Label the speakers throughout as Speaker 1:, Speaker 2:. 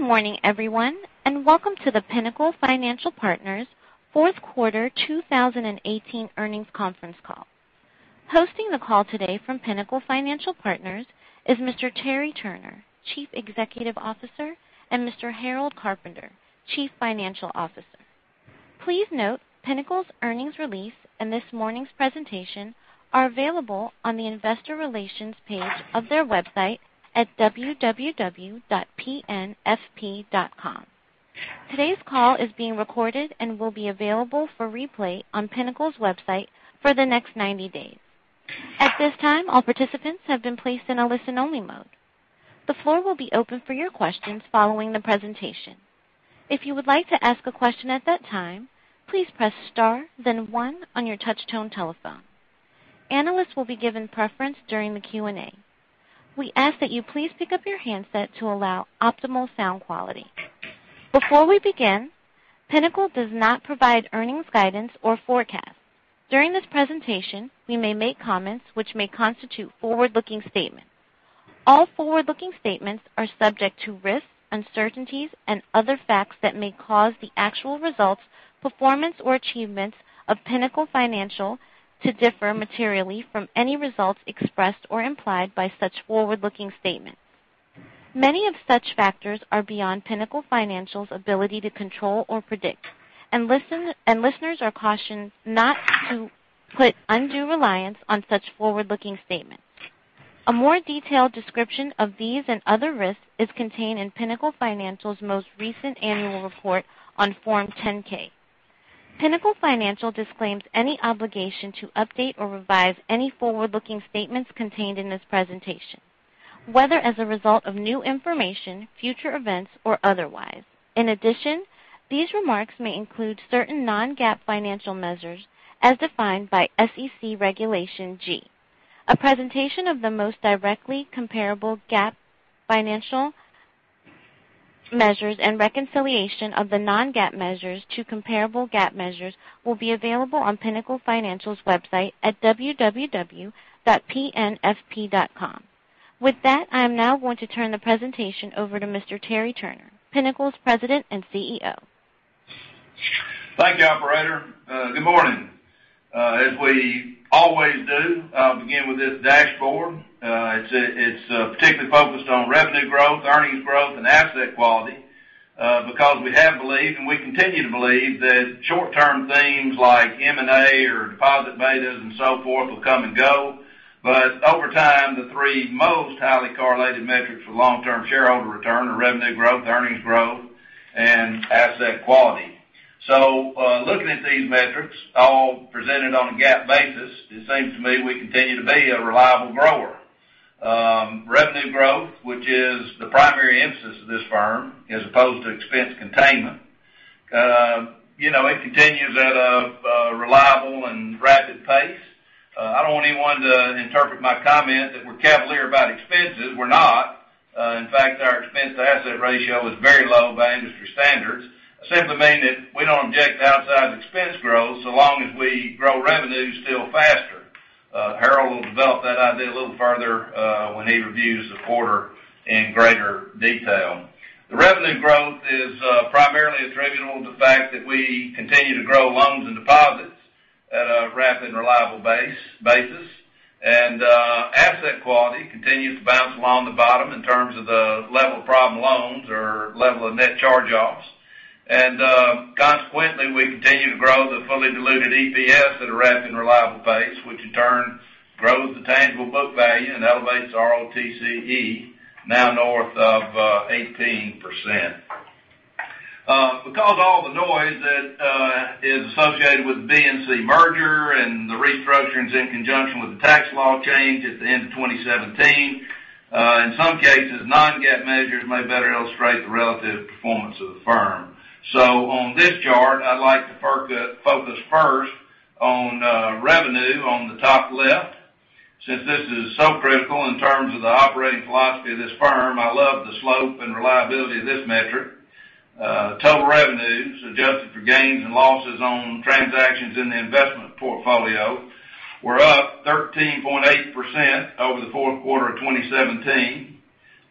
Speaker 1: Good morning, everyone, welcome to the Pinnacle Financial Partners fourth quarter 2018 earnings conference call. Hosting the call today from Pinnacle Financial Partners is Mr. Terry Turner, Chief Executive Officer, and Mr. Harold Carpenter, Chief Financial Officer. Please note Pinnacle's earnings release and this morning's presentation are available on the investor relations page of their website at www.pnfp.com. Today's call is being recorded and will be available for replay on Pinnacle's website for the next 90 days. At this time, all participants have been placed in a listen-only mode. The floor will be open for your questions following the presentation. If you would like to ask a question at that time, please press star then one on your touch-tone telephone. Analysts will be given preference during the Q&A. We ask that you please pick up your handset to allow optimal sound quality. Before we begin, Pinnacle does not provide earnings guidance or forecasts. During this presentation, we may make comments which may constitute forward-looking statements. All forward-looking statements are subject to risks, uncertainties, and other facts that may cause the actual results, performance, or achievements of Pinnacle Financial to differ materially from any results expressed or implied by such forward-looking statements. Many of such factors are beyond Pinnacle Financial's ability to control or predict, listeners are cautioned not to put undue reliance on such forward-looking statements. A more detailed description of these and other risks is contained in Pinnacle Financial's most recent annual report on Form 10-K. Pinnacle Financial disclaims any obligation to update or revise any forward-looking statements contained in this presentation, whether as a result of new information, future events, or otherwise. In addition, these remarks may include certain non-GAAP financial measures as defined by SEC Regulation G. A presentation of the most directly comparable GAAP financial measures and reconciliation of the non-GAAP measures to comparable GAAP measures will be available on Pinnacle Financial's website at www.pnfp.com. With that, I am now going to turn the presentation over to Mr. Terry Turner, Pinnacle's President and CEO.
Speaker 2: Thank you, operator. Good morning. As we always do, I'll begin with this dashboard. It's particularly focused on revenue growth, earnings growth, and asset quality because we have believed, and we continue to believe that short-term themes like M&A or deposit betas and so forth will come and go. Over time, the three most highly correlated metrics for long-term shareholder return are revenue growth, earnings growth, and asset quality. Looking at these metrics, all presented on a GAAP basis, it seems to me we continue to be a reliable grower. Revenue growth, which is the primary emphasis of this firm as opposed to expense containment, it continues at a reliable and rapid pace. I don't want anyone to interpret my comment that we're cavalier about expenses. We're not. In fact, our expense-to-asset ratio is very low by industry standards. I simply mean that we don't object to outsized expense growth, so long as we grow revenue still faster. Harold will develop that idea a little further when he reviews the quarter in greater detail. The revenue growth is primarily attributable to the fact that we continue to grow loans and deposits at a rapid and reliable basis, and asset quality continues to bounce along the bottom in terms of the level of problem loans or level of net charge-offs. Consequently, we continue to grow the fully diluted EPS at a rapid and reliable pace, which in turn grows the tangible book value and elevates ROTCE now north of 18%. Because of all the noise that is associated with the BNC merger and the restructurings in conjunction with the tax law change at the end of 2017, in some cases, non-GAAP measures may better illustrate the relative performance of the firm. On this chart, I'd like to focus first on revenue on the top left. Since this is so critical in terms of the operating philosophy of this firm, I love the slope and reliability of this metric. Total revenues, adjusted for gains and losses on transactions in the investment portfolio, were up 13.8% over the fourth quarter of 2017.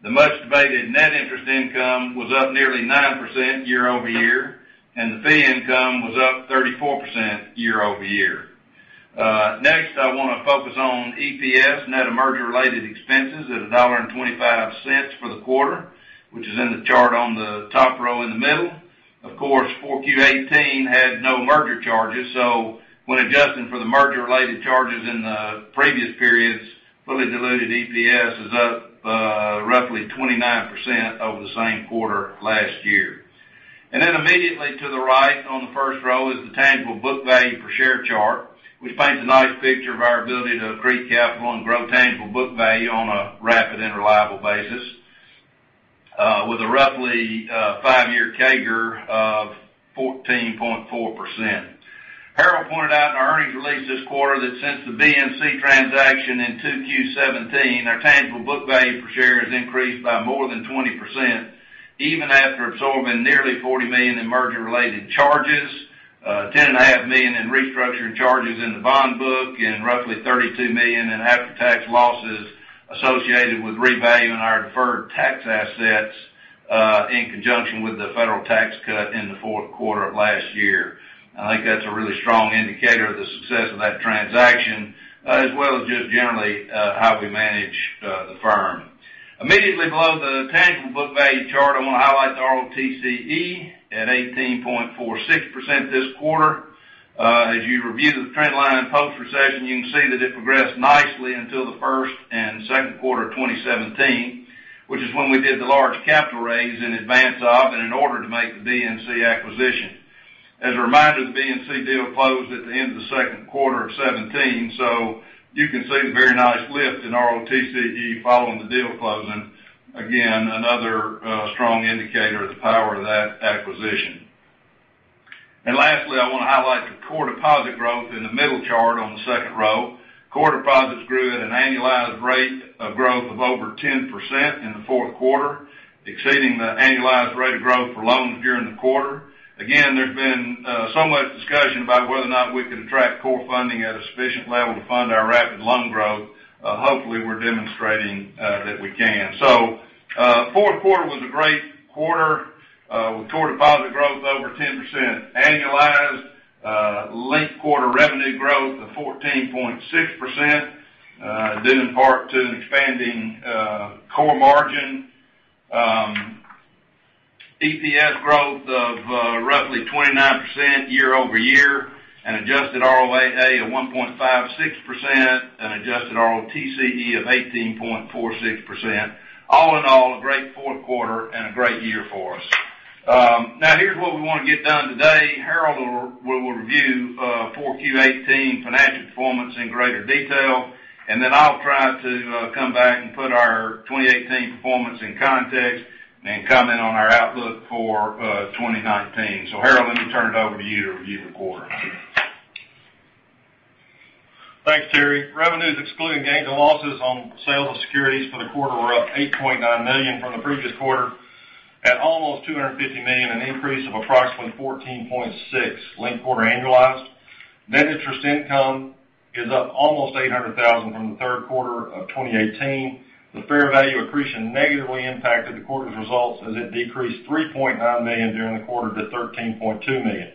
Speaker 2: The much-debated net interest income was up nearly 9% year-over-year, and the fee income was up 34% year-over-year. Next, I want to focus on EPS, net of merger-related expenses at $1.25 for the quarter, which is in the chart on the top row in the middle. Of course, 4Q18 had no merger charges, when adjusting for the merger-related charges in the previous periods, fully diluted EPS is up roughly 29% over the same quarter last year. Then immediately to the right on the first row is the tangible book value per share chart, which paints a nice picture of our ability to accrete capital and grow tangible book value on a rapid and reliable basis with a roughly five-year CAGR of 14.4%. Harold pointed out in our earnings release this quarter that since the BNC transaction in 2Q17, our tangible book value per share has increased by more than 20%, even after absorbing nearly $40 million in merger-related charges. $10.5 million in restructuring charges in the bond book and roughly $32 million in after-tax losses associated with revaluing our deferred tax assets in conjunction with the federal tax cut in the fourth quarter of last year. I think that's a really strong indicator of the success of that transaction, as well as just generally how we manage the firm. Immediately below the tangible book value chart, I want to highlight the ROTCE at 18.46% this quarter. As you review the trend line post-recession, you can see that it progressed nicely until the first and second quarter of 2017, which is when we did the large capital raise in advance of and in order to make the BNC acquisition. As a reminder, the BNC deal closed at the end of the second quarter of 2017, so you can see a very nice lift in ROTCE following the deal closing. Another strong indicator of the power of that acquisition. Lastly, I want to highlight the core deposit growth in the middle chart on the second row. Core deposits grew at an annualized rate of growth of over 10% in the fourth quarter, exceeding the annualized rate of growth for loans during the quarter. There's been so much discussion about whether or not we can attract core funding at a sufficient level to fund our rapid loan growth. Hopefully, we're demonstrating that we can. Fourth quarter was a great quarter with core deposit growth over 10% annualized, linked-quarter revenue growth of 14.6%, due in part to expanding core margin, EPS growth of roughly 29% year-over-year, an adjusted ROAA of 1.56%, an adjusted ROTCE of 18.46%. All in all, a great fourth quarter and a great year for us. Here's what we want to get done today. Harold will review 4Q 2018 financial performance in greater detail, and then I'll try to come back and put our 2018 performance in context and comment on our outlook for 2019. Harold, let me turn it over to you to review the quarter.
Speaker 3: Thanks, Terry. Revenues excluding gains and losses on sales of securities for the quarter were up $8.9 million from the previous quarter at almost $250 million, an increase of approximately 14.6% linked-quarter annualized. Net interest income is up almost $800,000 from the third quarter of 2018. The fair value accretion negatively impacted the quarter's results as it decreased $3.9 million during the quarter to $13.2 million.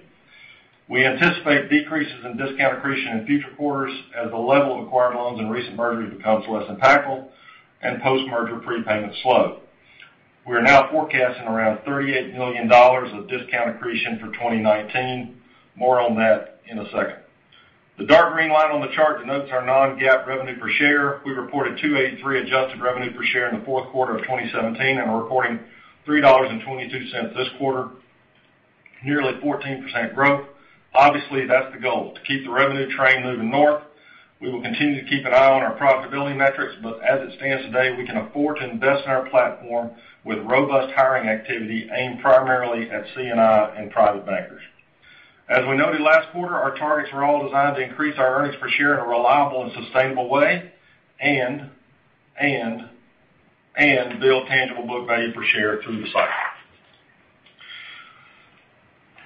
Speaker 3: We anticipate decreases in discount accretion in future quarters as the level of acquired loans and recent mergers becomes less impactful and post-merger prepayments slow. We are now forecasting around $38 million of discount accretion for 2019. More on that in a second. The dark green line on the chart denotes our non-GAAP revenue per share. We reported $2.83 adjusted revenue per share in the fourth quarter of 2017 and are reporting $3.22 this quarter, nearly a 14% growth. Obviously, that's the goal. To keep the revenue train moving north, we will continue to keep an eye on our profitability metrics, but as it stands today, we can afford to invest in our platform with robust hiring activity aimed primarily at C&I and private bankers. As we noted last quarter, our targets are all designed to increase our earnings per share in a reliable and sustainable way and build tangible book value per share through the cycle.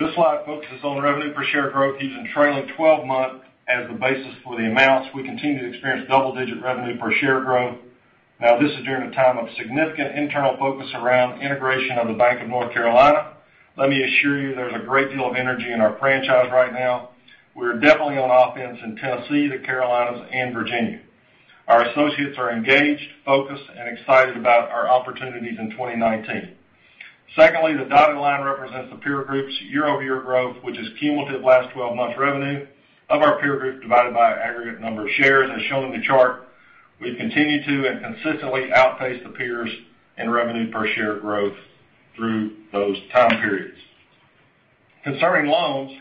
Speaker 3: This slide focuses on the revenue per share growth, using trailing 12-month as the basis for the amounts. We continue to experience double-digit revenue per share growth. This is during a time of significant internal focus around integration of the Bank of North Carolina. Let me assure you, there's a great deal of energy in our franchise right now. We are definitely on offense in Tennessee, the Carolinas, and Virginia. Our associates are engaged, focused, and excited about our opportunities in 2019. Secondly, the dotted line represents the peer group's year-over-year growth, which is cumulative last 12 months revenue of our peer group divided by aggregate number of shares. As shown in the chart, we've continued to and consistently outpace the peers in revenue per share growth through those time periods. Concerning loans,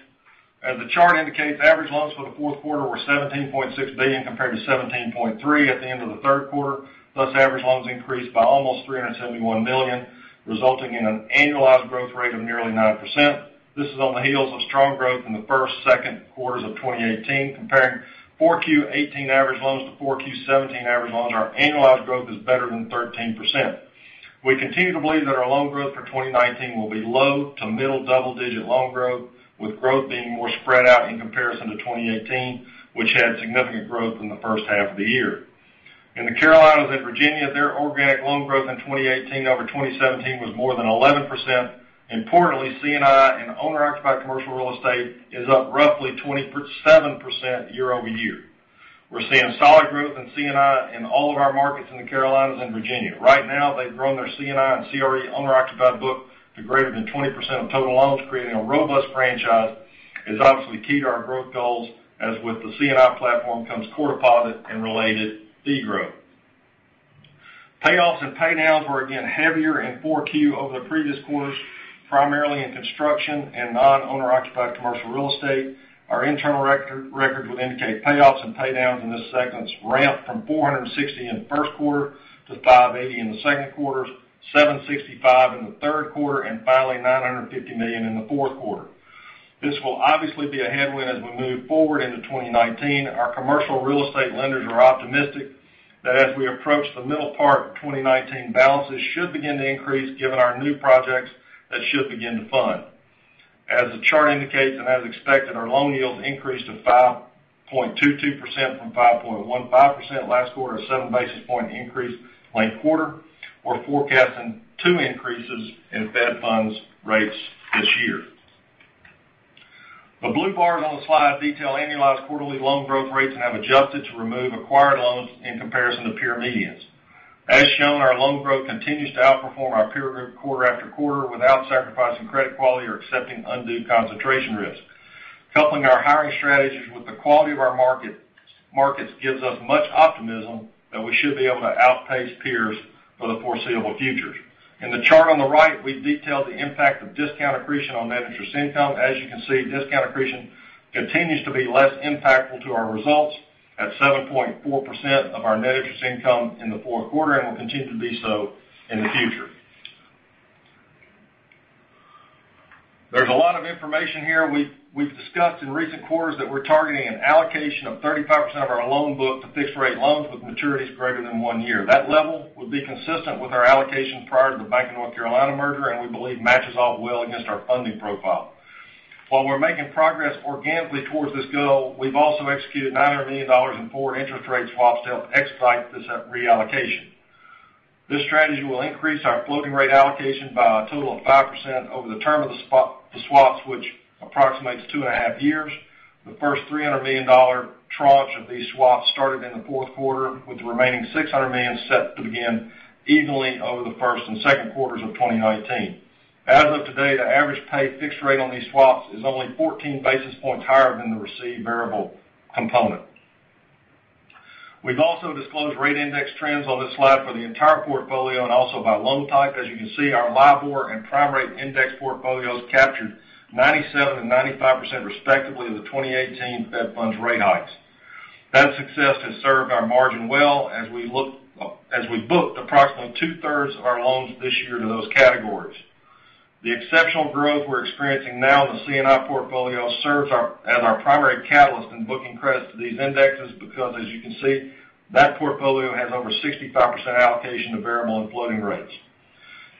Speaker 3: as the chart indicates, average loans for the fourth quarter were $17.6 billion compared to $17.3 at the end of the third quarter, thus average loans increased by almost $371 million, resulting in an annualized growth rate of nearly 9%. This is on the heels of strong growth in the first, second quarters of 2018. Comparing 4Q18 average loans to 4Q17 average loans, our annualized growth is better than 13%. We continue to believe that our loan growth for 2019 will be low to middle double-digit loan growth, with growth being more spread out in comparison to 2018, which had significant growth in the first half of the year. In the Carolinas and Virginia, their organic loan growth in 2018 over 2017 was more than 11%. Importantly C&I and owner-occupied commercial real estate is up roughly 27% year-over-year. We're seeing solid growth in C&I in all of our markets in the Carolinas and Virginia. Right now, they've grown their C&I and CRE owner-occupied book to greater than 20% of total loans, creating a robust franchise is obviously key to our growth goals, as with the C&I platform comes core deposit and related fee growth. Payoffs and pay downs were again heavier in 4Q over the previous quarters, primarily in construction and non-owner-occupied commercial real estate. Our internal records would indicate payoffs and pay downs in this segment has ramped from $460 million in the first quarter to $580 million in the second quarter, $765 million in the third quarter, and finally, $950 million in the fourth quarter. This will obviously be a headwind as we move forward into 2019. Our commercial real estate lenders are optimistic that as we approach the middle part of 2019, balances should begin to increase given our new projects that should begin to fund. As the chart indicates, and as expected, our loan yields increased to 5.22% from 5.15% last quarter, a 7 basis points increase last quarter. We're forecasting two increases in Fed funds rates this year. The blue bars on the slide detail annualized quarterly loan growth rates and have adjusted to remove acquired loans in comparison to peer medians. As shown, our loan growth continues to outperform our peer group quarter after quarter without sacrificing credit quality or accepting undue concentration risks. Coupling our hiring strategies with the quality of our markets gives us much optimism that we should be able to outpace peers for the foreseeable future. In the chart on the right, we detail the impact of discount accretion on net interest income. As you can see, discount accretion continues to be less impactful to our results at 7.4% of our net interest income in the fourth quarter and will continue to be so in the future. There's a lot of information here. We've discussed in recent quarters that we're targeting an allocation of 35% of our loan book to fixed rate loans with maturities greater than one year. That level would be consistent with our allocation prior to the Bank of North Carolina merger, and we believe matches up well against our funding profile. While we're making progress organically towards this goal, we've also executed $900 million in forward interest rate swaps to help expedite this reallocation. This strategy will increase our floating rate allocation by a total of 5% over the term of the swaps, which approximates two and a half years. The first $300 million tranche of these swaps started in the fourth quarter, with the remaining $600 million set to begin evenly over the first and second quarters of 2019. As of today, the average paid fixed rate on these swaps is only 14 basis points higher than the received variable component. We've also disclosed rate index trends on this slide for the entire portfolio and also by loan type. You can see, our LIBOR and prime rate index portfolios captured 97% and 95% respectively of the 2018 Fed funds rate hikes. That success has served our margin well as we booked approximately two-thirds of our loans this year to those categories. The exceptional growth we're experiencing now in the C&I portfolio serves as our primary catalyst in booking credits to these indexes because, as you can see, that portfolio has over 65% allocation to variable and floating rates.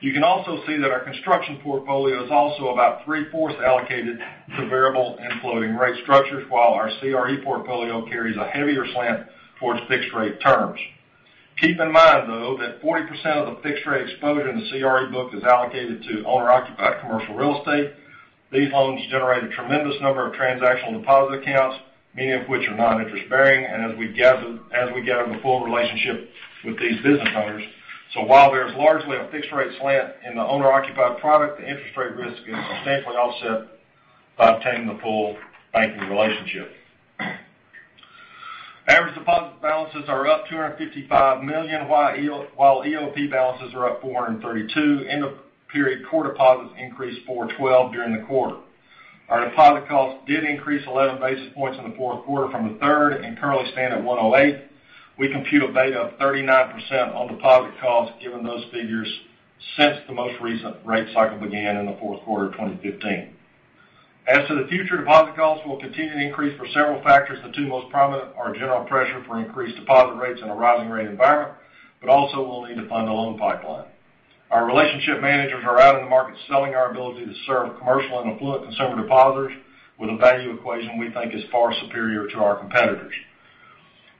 Speaker 3: You can also see that our construction portfolio is also about three-fourths allocated to variable and floating rate structures, while our CRE portfolio carries a heavier slant towards fixed rate terms. Keep in mind, though, that 40% of the fixed rate exposure in the CRE book is allocated to owner-occupied commercial real estate. These loans generate a tremendous number of transactional deposit accounts, many of which are non-interest bearing, and as we gather the full relationship with these business owners. While there's largely a fixed rate slant in the owner-occupied product, the interest rate risk is substantially offset by obtaining the full banking relationship. Average deposit balances are up $255 million, while EOP balances are up $432 million. End-of-period core deposits increased $412 million during the quarter. Our deposit costs did increase 11 basis points in the fourth quarter from the third and currently stand at 1.08%. We compute a beta of 39% on deposit costs given those figures since the most recent rate cycle began in the fourth quarter of 2015. As to the future, deposit costs will continue to increase for several factors. The two most prominent are general pressure for increased deposit rates in a rising rate environment, but also we'll need to fund the loan pipeline. Our relationship managers are out in the market selling our ability to serve commercial and affluent consumer depositors with a value equation we think is far superior to our competitors.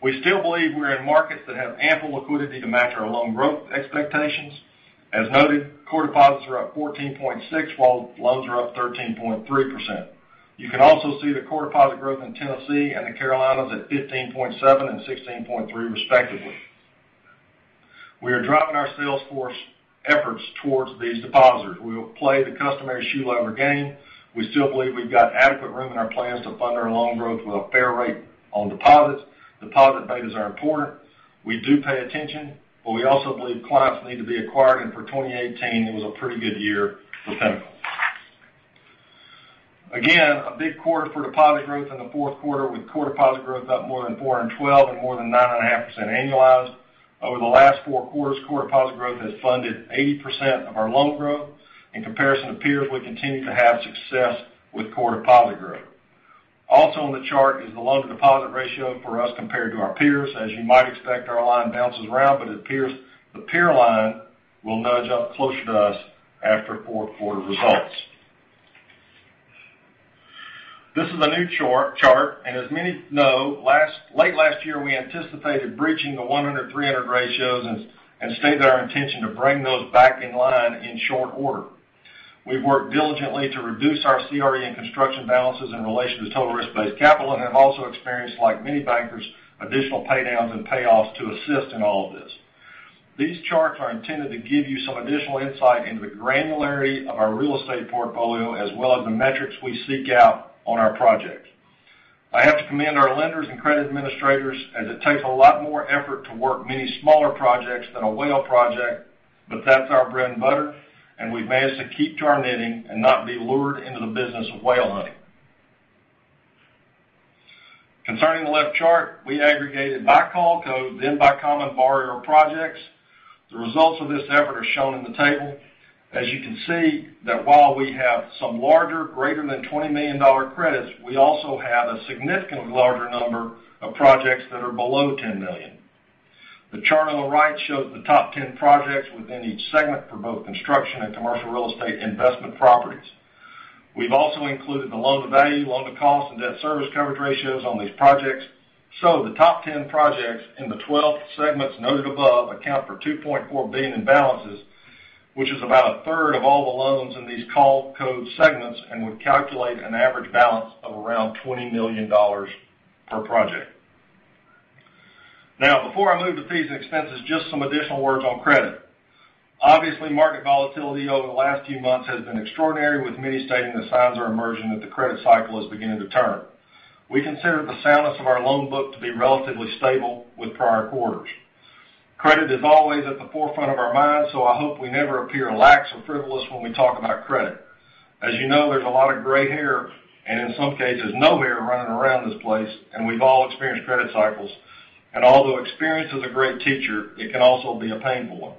Speaker 3: We still believe we're in markets that have ample liquidity to match our loan growth expectations. As noted, core deposits are up 14.6%, while loans are up 13.3%. You can also see the core deposit growth in Tennessee and the Carolinas at 15.7% and 16.3% respectively. We are driving our sales force efforts towards these depositors. We will play the customary shoe leather game. We still believe we've got adequate room in our plans to fund our loan growth with a fair rate on deposits. Deposit betas are important. We do pay attention, but we also believe clients need to be acquired, and for 2018, it was a pretty good year for Pinnacle. A big quarter for deposit growth in the fourth quarter with core deposit growth up more than $412 million and more than 9.5% annualized. Over the last four quarters, core deposit growth has funded 80% of our loan growth. In comparison to peers, we continue to have success with core deposit growth. Also on the chart is the loan-to-deposit ratio for us compared to our peers. As you might expect, our line bounces around, but the peer line will nudge up closer to us after fourth quarter results. This is a new chart, and as many know, late last year, we anticipated breaching the 100/300 ratios and stated our intention to bring those back in line in short order. We've worked diligently to reduce our CRE and construction balances in relation to total risk-based capital and have also experienced, like many bankers, additional paydowns and payoffs to assist in all of this. These charts are intended to give you some additional insight into the granularity of our real estate portfolio, as well as the metrics we seek out on our projects. I have to commend our lenders and credit administrators, as it takes a lot more effort to work many smaller projects than a whale project, but that's our bread and butter, and we've managed to keep to our knitting and not be lured into the business of whale hunting. Concerning the left chart, we aggregated by call code, then by common borrower projects. The results of this effort are shown in the table. As you can see, that while we have some larger, greater than $20 million credits, we also have a significantly larger number of projects that are below $10 million. The chart on the right shows the top 10 projects within each segment for both construction and commercial real estate investment properties. We've also included the loan-to-value, loan-to-cost, and debt service coverage ratios on these projects. The top 10 projects in the 12 segments noted above account for $2.4 billion in balances, which is about 1/3 of all the loans in these call code segments, and would calculate an average balance of around $20 million per project. Before I move to fees and expenses, just some additional words on credit. Obviously, market volatility over the last few months has been extraordinary, with many stating that signs are emerging that the credit cycle is beginning to turn. We consider the soundness of our loan book to be relatively stable with prior quarters. Credit is always at the forefront of our minds, so I hope we never appear lax or frivolous when we talk about credit. As you know, there's a lot of gray hair, and in some cases, no hair running around this place, and we've all experienced credit cycles. Although experience is a great teacher, it can also be a painful one.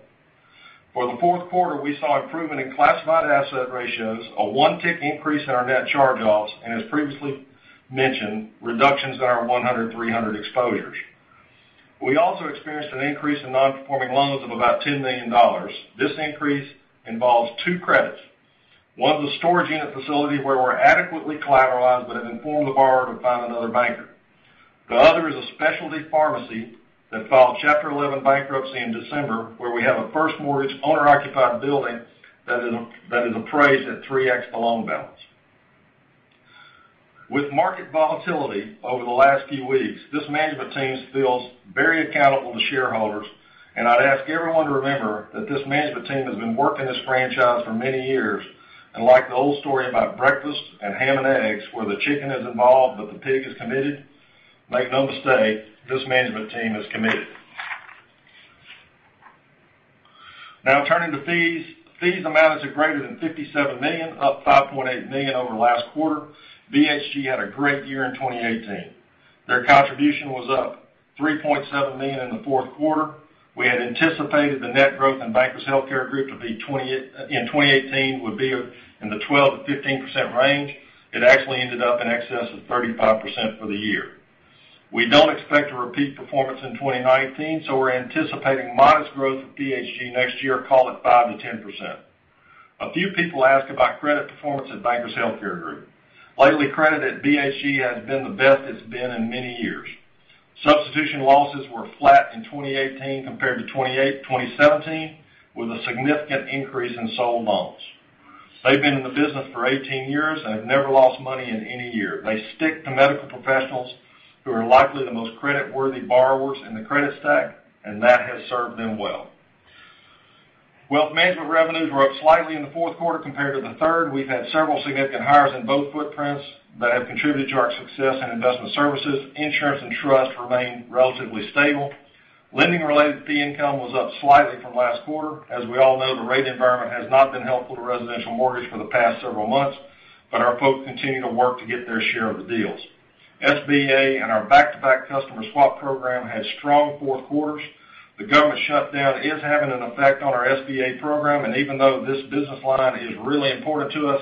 Speaker 3: For the fourth quarter, we saw improvement in classified asset ratios, a one-tick increase in our net charge-offs, and as previously mentioned, reductions in our 100/300 exposures. We also experienced an increase in non-performing loans of about $10 million. This increase involves two credits. One is a storage unit facility where we're adequately collateralized but have informed the borrower to find another banker. The other is a specialty pharmacy that filed Chapter 11 bankruptcy in December, where we have a first mortgage owner-occupied building that is appraised at 3x the loan balance. With market volatility over the last few weeks, this management team feels very accountable to shareholders, and I'd ask everyone to remember that this management team has been working this franchise for many years, and like the old story about breakfast and ham and eggs, where the chicken is involved, but the pig is committed, make no mistake, this management team is committed. Now turning to fees. Fees amounted to greater than $57 million, up $5.8 million over last quarter. BHG had a great year in 2018. Their contribution was up $3.7 million in the fourth quarter. We had anticipated the net growth in Bankers Healthcare Group to be, in 2018, would be in the 12%-15% range. It actually ended up in excess of 35% for the year. We don't expect a repeat performance in 2019, so we're anticipating modest growth of BHG next year, call it 5%-10%. A few people ask about credit performance at Bankers Healthcare Group. Lately, credit at BHG has been the best it's been in many years. Substitution losses were flat in 2018 compared to 2017, with a significant increase in sold loans. They've been in the business for 18 years and have never lost money in any year. They stick to medical professionals who are likely the most creditworthy borrowers in the credit stack, and that has served them well. Wealth management revenues were up slightly in the fourth quarter compared to the third. We've had several significant hires in both footprints that have contributed to our success in investment services. Insurance and trust remain relatively stable. Lending-related fee income was up slightly from last quarter. As we all know, the rate environment has not been helpful to residential mortgage for the past several months, but our folks continue to work to get their share of the deals. SBA and our back-to-back customer swap program had strong fourth quarters. The government shutdown is having an effect on our SBA program, and even though this business line is really important to us,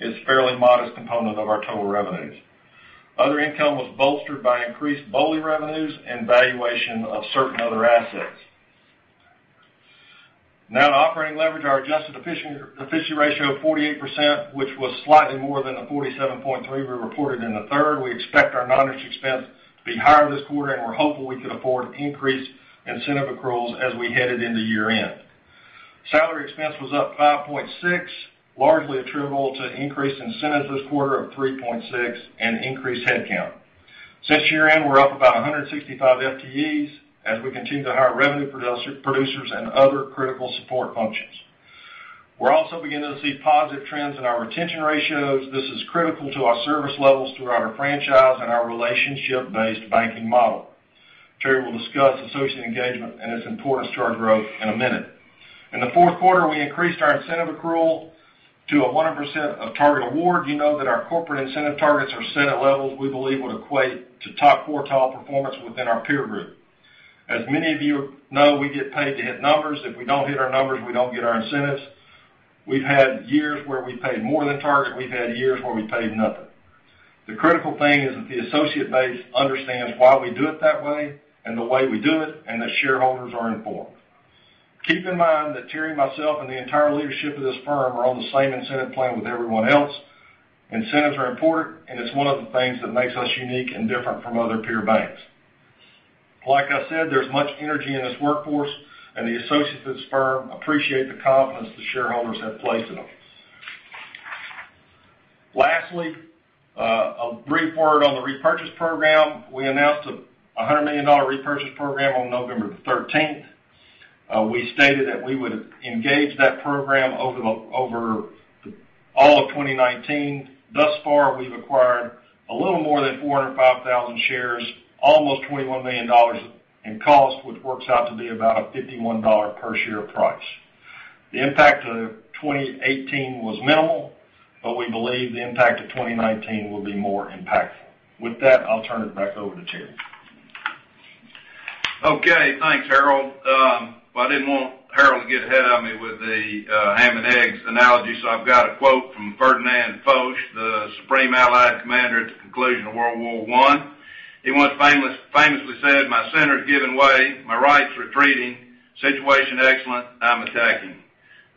Speaker 3: it's a fairly modest component of our total revenues. Other income was bolstered by increased BOLI revenues and valuation of certain other assets. Now to operating leverage, our adjusted efficiency ratio of 48%, which was slightly more than the 47.3% we reported in the third. We expect our non-interest expense to be higher this quarter, and we're hopeful we can afford increased incentive accruals as we headed into year-end. Salary expense was up 5.6%, largely attributable to increased incentives this quarter of 3.6% and increased headcount. Since year-end, we're up about 165 FTEs as we continue to hire revenue producers and other critical support functions. We're also beginning to see positive trends in our retention ratios. This is critical to our service levels throughout our franchise and our relationship-based banking model. Terry will discuss associate engagement and its importance to our growth in a minute. In the fourth quarter, we increased our incentive accrual to a 100% of target award. You know that our corporate incentive targets are set at levels we believe would equate to top quartile performance within our peer group. As many of you know, we get paid to hit numbers. If we don't hit our numbers, we don't get our incentives. We've had years where we paid more than target, we've had years where we paid nothing. The critical thing is that the associate base understands why we do it that way, and the way we do it, and that shareholders are informed. Keep in mind that Terry, myself, and the entire leadership of this firm are on the same incentive plan with everyone else. Incentives are important, and it's one of the things that makes us unique and different from other peer banks. Like I said, there's much energy in this workforce, and the associates of this firm appreciate the confidence the shareholders have placed in them. Lastly, a brief word on the repurchase program. We announced a $100 million repurchase program on November 13th. We stated that we would engage that program over all of 2019. Thus far, we've acquired a little more than 405,000 shares, almost $21 million in cost, which works out to be about a $51 per share price. The impact of 2018 was minimal, but we believe the impact of 2019 will be more impactful. With that, I'll turn it back over to Terry.
Speaker 2: Okay. Thanks, Harold. I didn't want Harold to get ahead of me with the ham and eggs analogy, so I've got a quote from Ferdinand Foch, the Supreme Allied Commander at the conclusion of World War I. He once famously said, "My center is giving way. My right's retreating. Situation excellent. I'm attacking."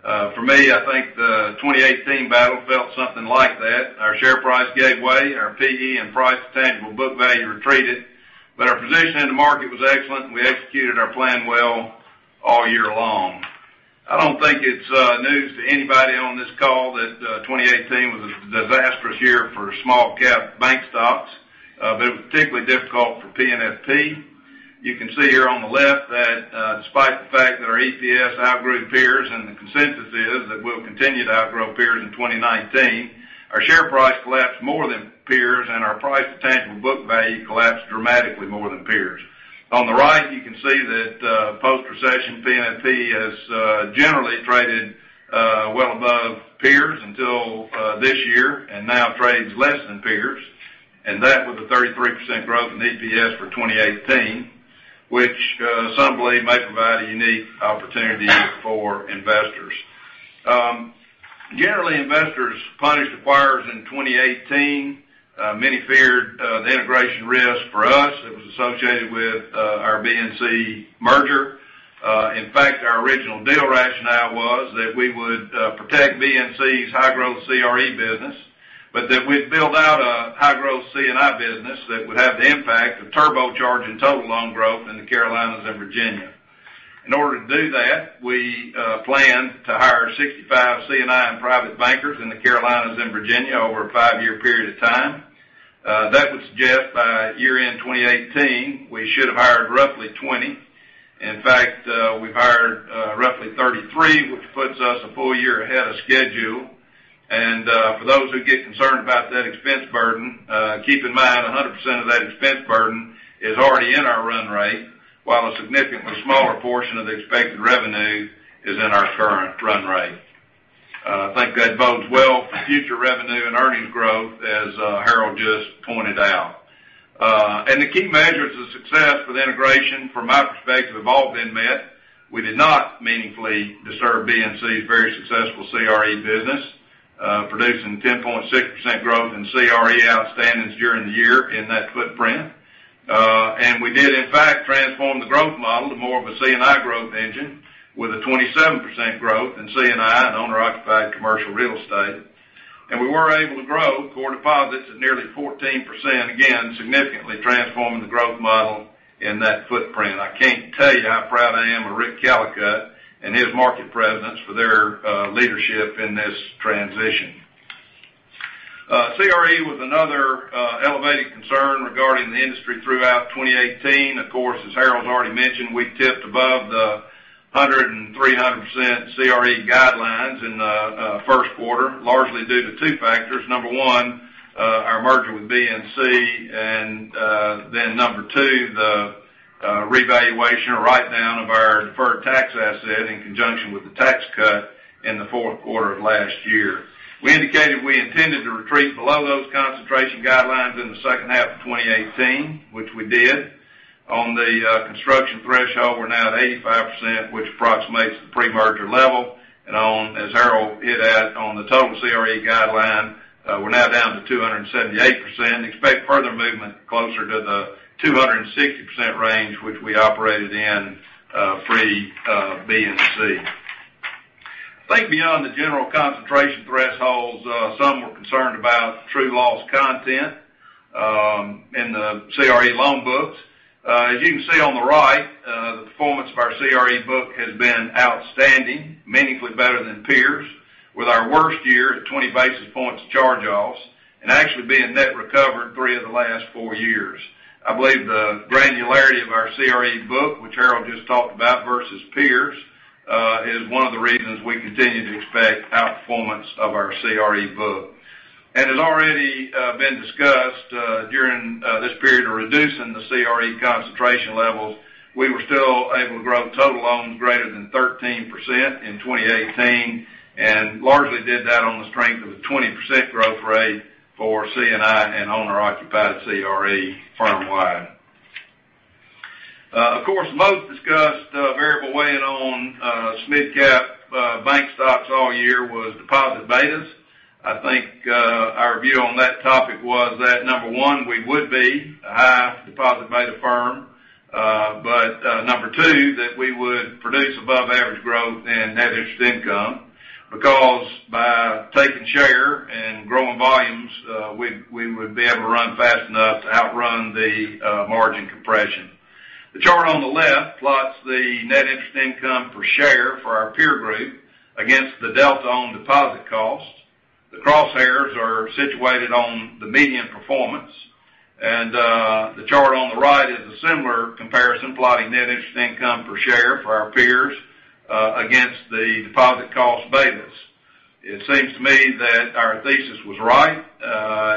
Speaker 2: For me, I think the 2018 battle felt something like that. Our share price gave way, our PE and price to tangible book value retreated, but our position in the market was excellent, and we executed our plan well all year long. I don't think it's news to anybody on this call that 2018 was a disastrous year for small cap bank stocks, but it was particularly difficult for PNFP. You can see here on the left that despite the fact that our EPS outgrew peers, and the consensus is that we'll continue to outgrow peers in 2019, our share price collapsed more than peers and our price to tangible book value collapsed dramatically more than peers. On the right, you can see that post-recession PNFP has generally traded well above peers until this year and now trades less than peers. That with a 33% growth in EPS for 2018, which some believe may provide a unique opportunity for investors. Generally, investors punished acquirers in 2018, many feared the integration risk for us that was associated with our BNC merger. In fact, our original deal rationale was that we would protect BNC's high-growth CRE business, but that we'd build out a high-growth C&I business that would have the impact of turbocharging total loan growth in the Carolinas and Virginia. In order to do that, we plan to hire 65 C&I and private bankers in the Carolinas and Virginia over a five-year period of time. That would suggest by year-end 2018, we should have hired roughly 20. In fact, we've hired roughly 33, which puts us a full year ahead of schedule. For those who get concerned about that expense burden, keep in mind 100% of that expense burden is already in our run rate, while a significantly smaller portion of the expected revenue is in our current run rate. I think that bodes well for future revenue and earnings growth, as Harold just pointed out. The key measures of success for the integration, from my perspective, have all been met. We did not meaningfully disturb BNC's very successful CRE business, producing 10.6% growth in CRE outstandings during the year in that footprint. We did, in fact, transform the growth model to more of a C&I growth engine with a 27% growth in C&I and owner-occupied commercial real estate. We were able to grow core deposits at nearly 14%, again, significantly transforming the growth model in that footprint. I can't tell you how proud I am of Rick Callicutt and his market presidents for their leadership in this transition. CRE was another elevated concern regarding the industry throughout 2018. Of course, as Harold's already mentioned, we tipped above the 100% and 300% CRE guidelines in the first quarter, largely due to two factors. Number one, our merger with BNC, and then number two, the revaluation or write down of our deferred tax asset in conjunction with the tax cut in the fourth quarter of last year. We indicated we intended to retreat below those concentration guidelines in the second half of 2018, which we did. On the construction threshold, we're now at 85%, which approximates the pre-merger level. As Harold hit at, on the total CRE guideline, we're now down to 278%. Expect further movement closer to the 260% range, which we operated in pre-BNC. I think beyond the general concentration thresholds, some were concerned about true loss content in the CRE loan books. As you can see on the right, the performance of our CRE book has been outstanding, meaningfully better than peers, with our worst year at 20 basis points of charge-offs, and actually being net recovered three of the last four years. I believe the granularity of our CRE book, which Harold just talked about, versus peers, is one of the reasons we continue to expect outperformance of our CRE book. As already been discussed, during this period of reducing the CRE concentration levels, we were still able to grow total loans greater than 13% in 2018, and largely did that on the strength of a 20% growth rate for C&I and owner-occupied CRE firmwide. Of course, the most discussed variable weighing on midcap bank stocks all year was deposit betas. I think our view on that topic was that, number one, we would be a high deposit beta firm. Number two, that we would produce above average growth in net interest income because by taking share and growing volumes, we would be able to run fast enough to outrun the margin compression. The chart on the left plots the net interest income per share for our peer group against the delta on deposit cost. The crosshairs are situated on the median performance. The chart on the right is a similar comparison plotting net interest income per share for our peers against the deposit cost beta. It seems to me that our thesis was right.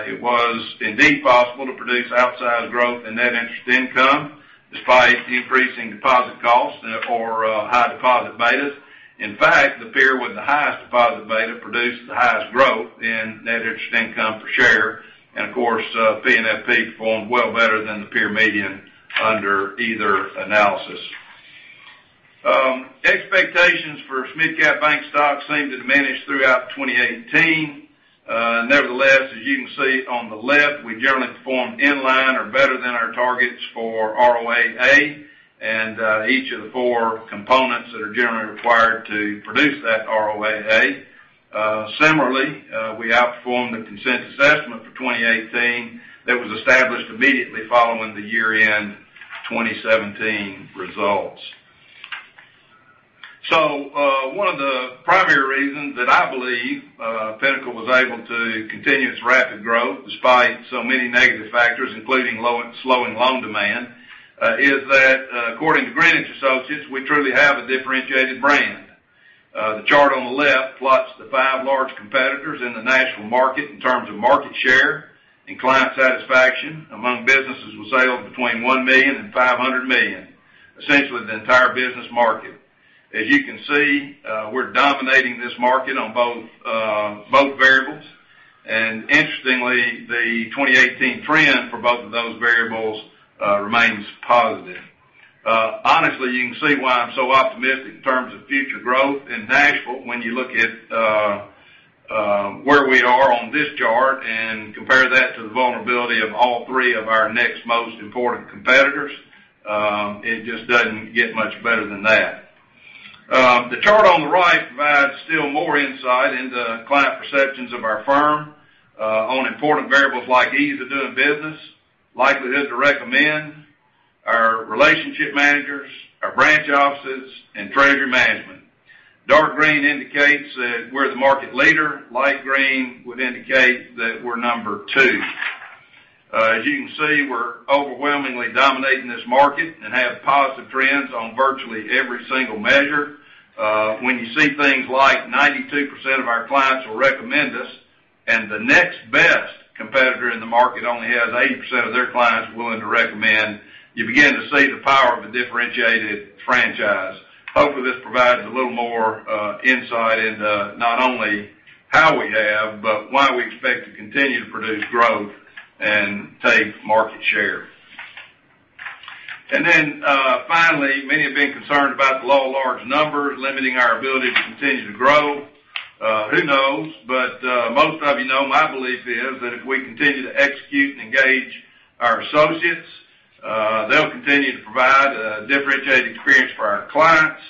Speaker 2: It was indeed possible to produce outsized growth in net interest income despite the increasing deposit costs or high deposit betas. In fact, the peer with the highest deposit beta produced the highest growth in net interest income per share. Of course, PNFP performed well better than the peer median under either analysis. Expectations for mid-cap bank stocks seem to diminish throughout 2018. Nevertheless, as you can see on the left, we generally performed in line or better than our targets for ROAA and each of the four components that are generally required to produce that ROAA. Similarly, we outperformed the consensus estimate for 2018 that was established immediately following the year-end 2017 results. One of the primary reasons that I believe Pinnacle was able to continue its rapid growth despite so many negative factors, including slowing loan demand, is that according to Greenwich Associates, we truly have a differentiated brand. The chart on the left plots the five large competitors in the national market in terms of market share and client satisfaction among businesses with sales between $1 million and $500 million, essentially the entire business market. As you can see, we're dominating this market on both variables, and interestingly, the 2018 trend for both of those variables remains positive. Honestly, you can see why I'm so optimistic in terms of future growth in Nashville when you look at where we are on this chart and compare that to the vulnerability of all three of our next most important competitors. It just doesn't get much better than that. The chart on the right provides still more insight into client perceptions of our firm on important variables like ease of doing business, likelihood to recommend our relationship managers, our branch offices, and treasury management. Dark green indicates that we're the market leader. Light green would indicate that we're number two. As you can see, we're overwhelmingly dominating this market and have positive trends on virtually every single measure. When you see things like 92% of our clients will recommend us, and the next best competitor in the market only has 80% of their clients willing to recommend, you begin to see the power of a differentiated franchise. Hopefully, this provides a little more insight into not only how we have, but why we expect to continue to produce growth and take market share. Finally, many have been concerned about the law of large numbers limiting our ability to continue to grow. Who knows? Most of you know my belief is that if we continue to execute and engage our associates, they'll continue to provide a differentiated experience for our clients.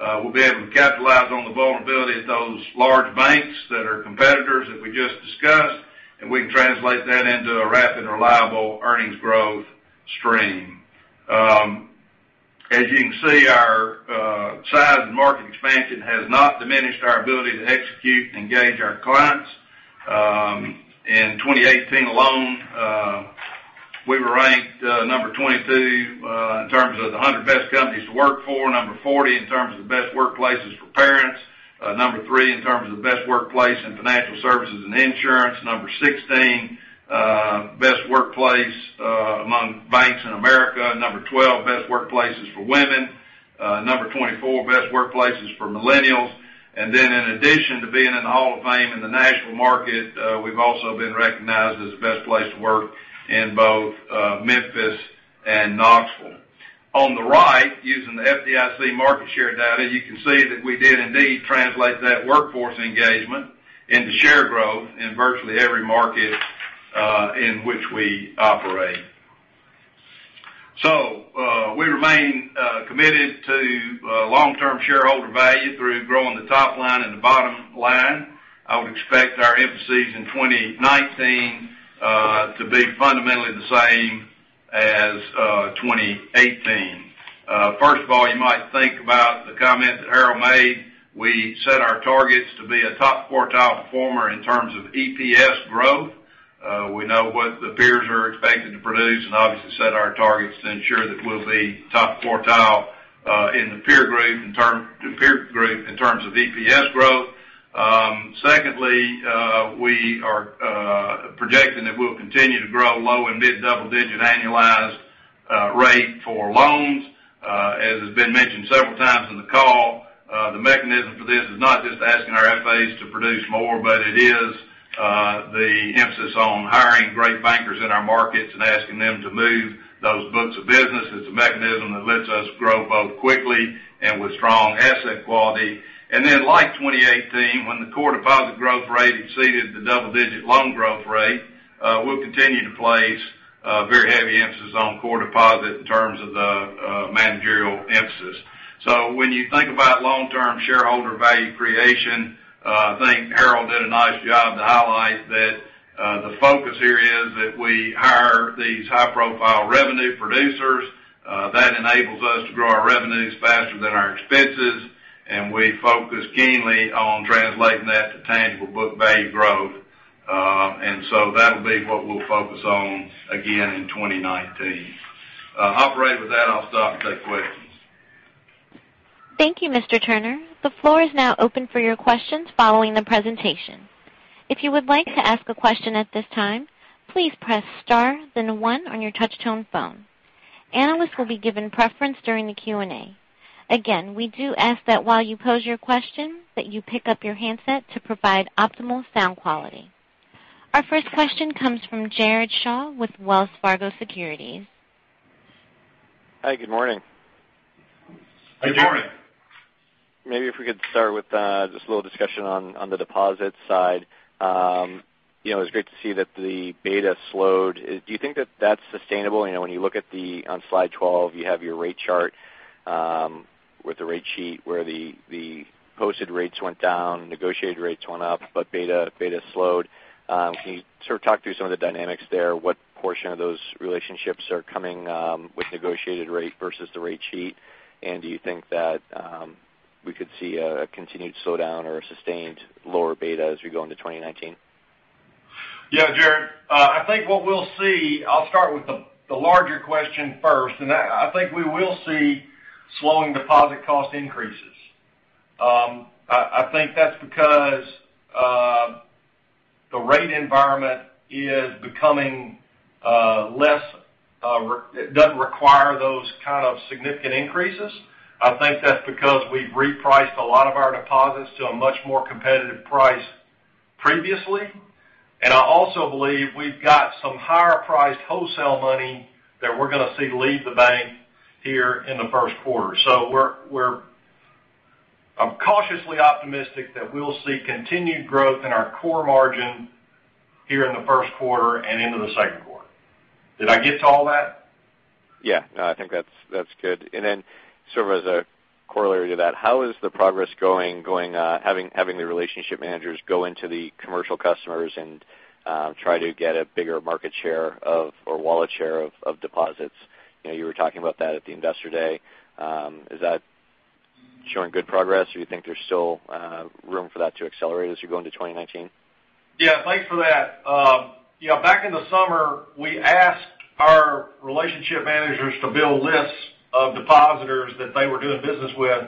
Speaker 2: We'll be able to capitalize on the vulnerability of those large banks that are competitors that we just discussed, and we can translate that into a rapid, reliable earnings growth stream. As you can see, our size and market expansion has not diminished our ability to execute and engage our clients. In 2018 alone, we were ranked number 22 in terms of the 100 best companies to work for, number 40 in terms of best workplaces for parents, number three in terms of best workplace in financial services and insurance, number 16 best workplace among banks in America, number 12 best workplaces for women, number 24 best workplaces for millennials. In addition to being in the hall of fame in the national market, we've also been recognized as the best place to work in both Memphis and Knoxville. On the right, using the FDIC market share data, you can see that we did indeed translate that workforce engagement into share growth in virtually every market in which we operate. We remain committed to long-term shareholder value through growing the top line and the bottom line. I would expect our emphases in 2019 to be fundamentally the same as 2018. First of all, you might think about the comment that Harold made. We set our targets to be a top quartile performer in terms of EPS growth. We know what the peers are expected to produce and obviously set our targets to ensure that we'll be top quartile in the peer group in terms of EPS growth. Secondly, we are projecting that we'll continue to grow low- and mid-double digit annualized rate for loans. As has been mentioned several times in the call, the mechanism for this is not just asking our FAs to produce more, but it is the emphasis on hiring great bankers in our markets and asking them to move those books of business. It's a mechanism that lets us grow both quickly and with strong asset quality. Like 2018, when the core deposit growth rate exceeded the double-digit loan growth rate, we'll continue to place a very heavy emphasis on core deposit in terms of the managerial emphasis. When you think about long-term shareholder value creation, I think Harold did a nice job to highlight that the focus here is that we hire these high-profile revenue producers. That enables us to grow our revenues faster than our expenses, and we focus keenly on translating that to tangible book value growth. That'll be what we'll focus on again in 2019. Operator, with that, I'll stop and take questions.
Speaker 1: Thank you, Mr. Turner. The floor is now open for your questions following the presentation. If you would like to ask a question at this time, please press star then one on your touch-tone phone. Analysts will be given preference during the Q&A. Again, we do ask that while you pose your question, that you pick up your handset to provide optimal sound quality. Our first question comes from Jared Shaw with Wells Fargo Securities.
Speaker 4: Hi, good morning.
Speaker 3: Good morning.
Speaker 4: Maybe if we could start with just a little discussion on the deposit side. It was great to see that the beta slowed. Do you think that that's sustainable? When you look at the, on slide 12, you have your rate chart, with the rate sheet where the posted rates went down, negotiated rates went up, but beta slowed. Can you sort of talk through some of the dynamics there, what portion of those relationships are coming with negotiated rate versus the rate sheet? Do you think that we could see a continued slowdown or a sustained lower beta as we go into 2019?
Speaker 3: Yeah, Jared, I think what we'll see, I'll start with the larger question first. I think we will see slowing deposit cost increases. I think that's because the rate environment is becoming less. It doesn't require those kind of significant increases. I think that's because we've repriced a lot of our deposits to a much more competitive price previously. I also believe we've got some higher priced wholesale money that we're going to see leave the bank here in the first quarter. I'm cautiously optimistic that we'll see continued growth in our core margin here in the first quarter and into the second quarter. Did I get to all that?
Speaker 4: Yeah. No, I think that's good. Sort of as a corollary to that, how is the progress going, having the relationship managers go into the commercial customers and try to get a bigger market share of or wallet share of deposits? You were talking about that at the investor day. Is that showing good progress, or you think there's still room for that to accelerate as you go into 2019?
Speaker 3: Yeah, thanks for that. Back in the summer, we asked our relationship managers to build lists of depositors that they were doing business with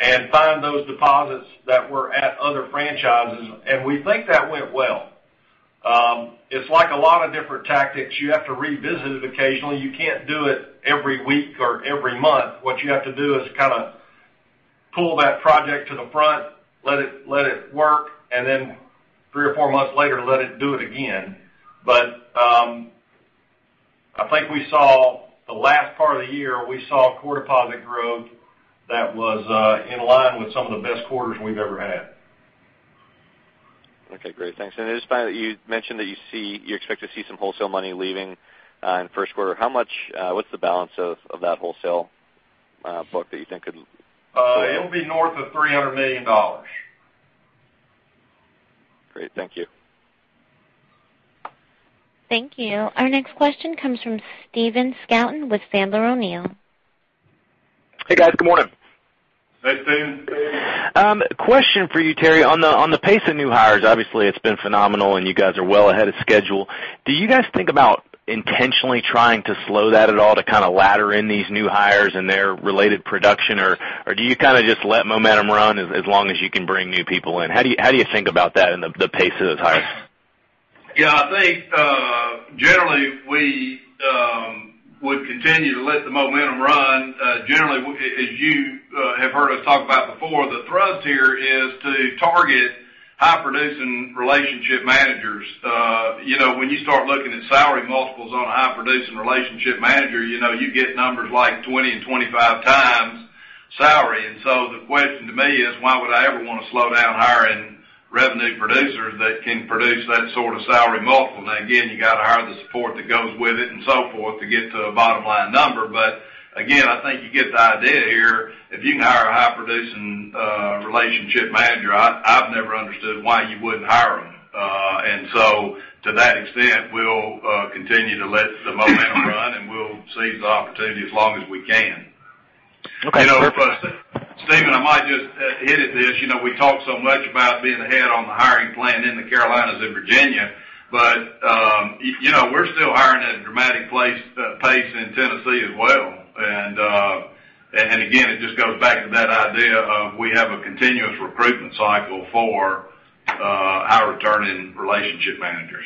Speaker 3: and find those deposits that were at other franchises. We think that went well. It's like a lot of different tactics. You have to revisit it occasionally. You can't do it every week or every month. What you have to do is kind of pull that project to the front, let it work, and then three or four months later, let it do it again. I think we saw the last part of the year, we saw core deposit growth that was in line with some of the best quarters we've ever had.
Speaker 4: Okay, great. Thanks. I just find that you mentioned that you expect to see some wholesale money leaving in the first quarter. What's the balance of that wholesale book that you think could-
Speaker 3: It'll be north of $300 million.
Speaker 4: Great. Thank you.
Speaker 1: Thank you. Our next question comes from Stephen Scouten with Sandler O'Neill.
Speaker 5: Hey, guys. Good morning.
Speaker 3: Hey, Stephen.
Speaker 5: Question for you, Terry. On the pace of new hires, obviously it's been phenomenal and you guys are well ahead of schedule. Do you guys think about intentionally trying to slow that at all to kind of ladder in these new hires and their related production? Do you kind of just let momentum run as long as you can bring new people in? How do you think about that and the pace of those hires?
Speaker 2: Yeah, I think, generally, we would continue to let the momentum run. Generally, as you have heard us talk about before, the thrust here is to target high producing relationship managers. When you start looking at salary multiples on a high producing relationship manager, you get numbers like 20x and 25x salary. The question to me is, why would I ever want to slow down hiring revenue producers that can produce that sort of salary multiple? Now, again, you got to hire the support that goes with it and so forth to get to a bottom-line number. Again, I think you get the idea here. If you can hire a high producing relationship manager, I've never understood why you wouldn't hire them. To that extent, we'll continue to let the momentum run, and we'll seize the opportunity as long as we can.
Speaker 5: Okay. Perfect.
Speaker 2: Stephen, I might just hit at this. We talk so much about being ahead on the hiring plan in the Carolinas and Virginia, but we're still hiring at a dramatic pace in Tennessee as well. Again, it just goes back to that idea of we have a continuous recruitment cycle for our returning relationship managers.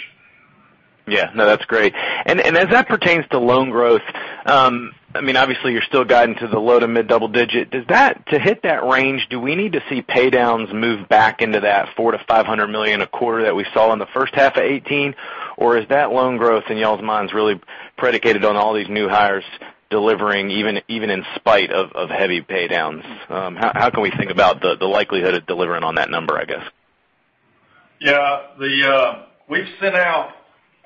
Speaker 5: Yeah. No, that's great. As that pertains to loan growth, obviously you're still guiding to the low to mid double digit. To hit that range, do we need to see pay downs move back into that $400 million-$500 million a quarter that we saw in the first half of 2018? Is that loan growth in y'all's minds really predicated on all these new hires delivering even in spite of heavy pay downs? How can we think about the likelihood of delivering on that number, I guess?
Speaker 3: Yeah. We've sent out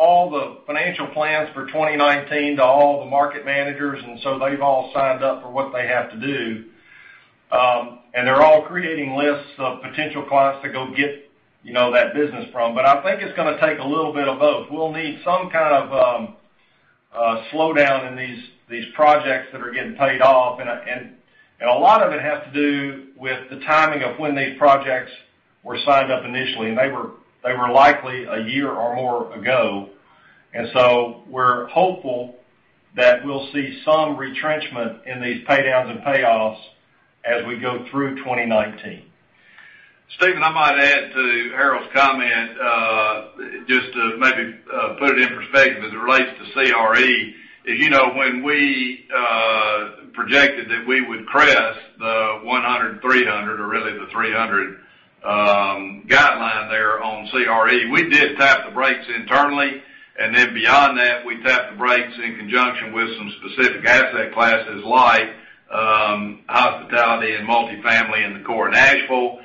Speaker 3: all the financial plans for 2019 to all the market managers, so they've all signed up for what they have to do. They're all creating lists of potential clients to go get that business from. I think it's going to take a little bit of both. We'll need some kind of a slowdown in these projects that are getting paid off. A lot of it has to do with the timing of when these projects were signed up initially, and they were likely a year or more ago. So we're hopeful that we'll see some retrenchment in these pay downs and payoffs as we go through 2019.
Speaker 2: Stephen, I might add to Harold's comment, just to maybe put it in perspective as it relates to CRE. When we projected that we would crest the 100/300, or really the 300 guideline there on CRE, we did tap the brakes internally, then beyond that, we tapped the brakes in conjunction with some specific asset classes like hospitality and multifamily in the core Nashville.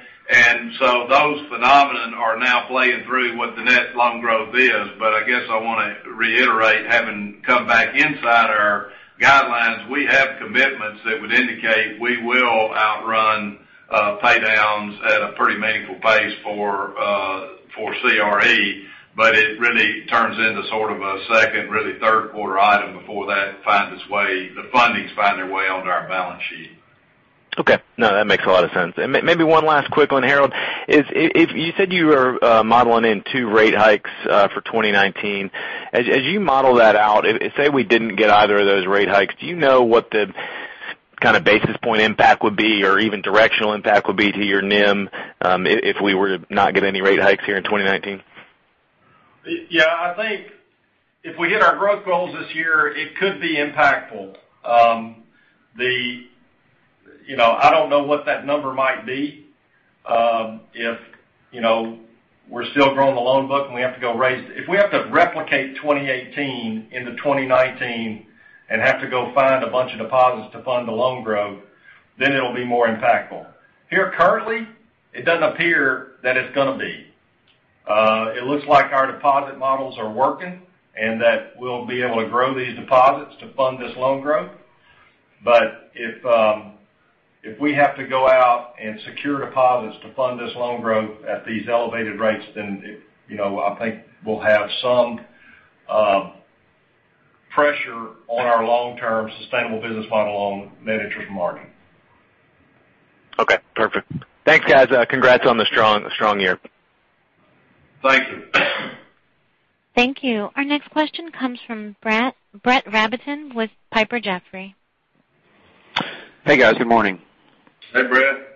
Speaker 2: So those phenomenon are now playing through what the net loan growth is. I guess I want to reiterate, having come back inside our guidelines, we have commitments that would indicate we will outrun pay downs at a pretty meaningful pace for CRE, but it really turns into a second, really third quarter item before the fundings find their way onto our balance sheet.
Speaker 5: Okay. No, that makes a lot of sense. Maybe one last quick one, Harold. You said you were modeling in two rate hikes for 2019. As you model that out, say we didn't get either of those rate hikes, do you know what the basis point impact would be, or even directional impact would be to your NIM, if we were to not get any rate hikes here in 2019?
Speaker 3: Yeah, I think if we hit our growth goals this year, it could be impactful. I don't know what that number might be. If we're still growing the loan book and we have to replicate 2018 into 2019 and have to go find a bunch of deposits to fund the loan growth, then it'll be more impactful. Here currently, it doesn't appear that it's going to be. It looks like our deposit models are working, and that we'll be able to grow these deposits to fund this loan growth. If we have to go out and secure deposits to fund this loan growth at these elevated rates, then I think we'll have some pressure on our long-term sustainable business model on net interest margin.
Speaker 5: Okay, perfect. Thanks, guys. Congrats on the strong year.
Speaker 3: Thank you.
Speaker 1: Thank you. Our next question comes from Brett Rabatin with Piper Jaffray.
Speaker 6: Hey, guys. Good morning.
Speaker 3: Hey, Brett.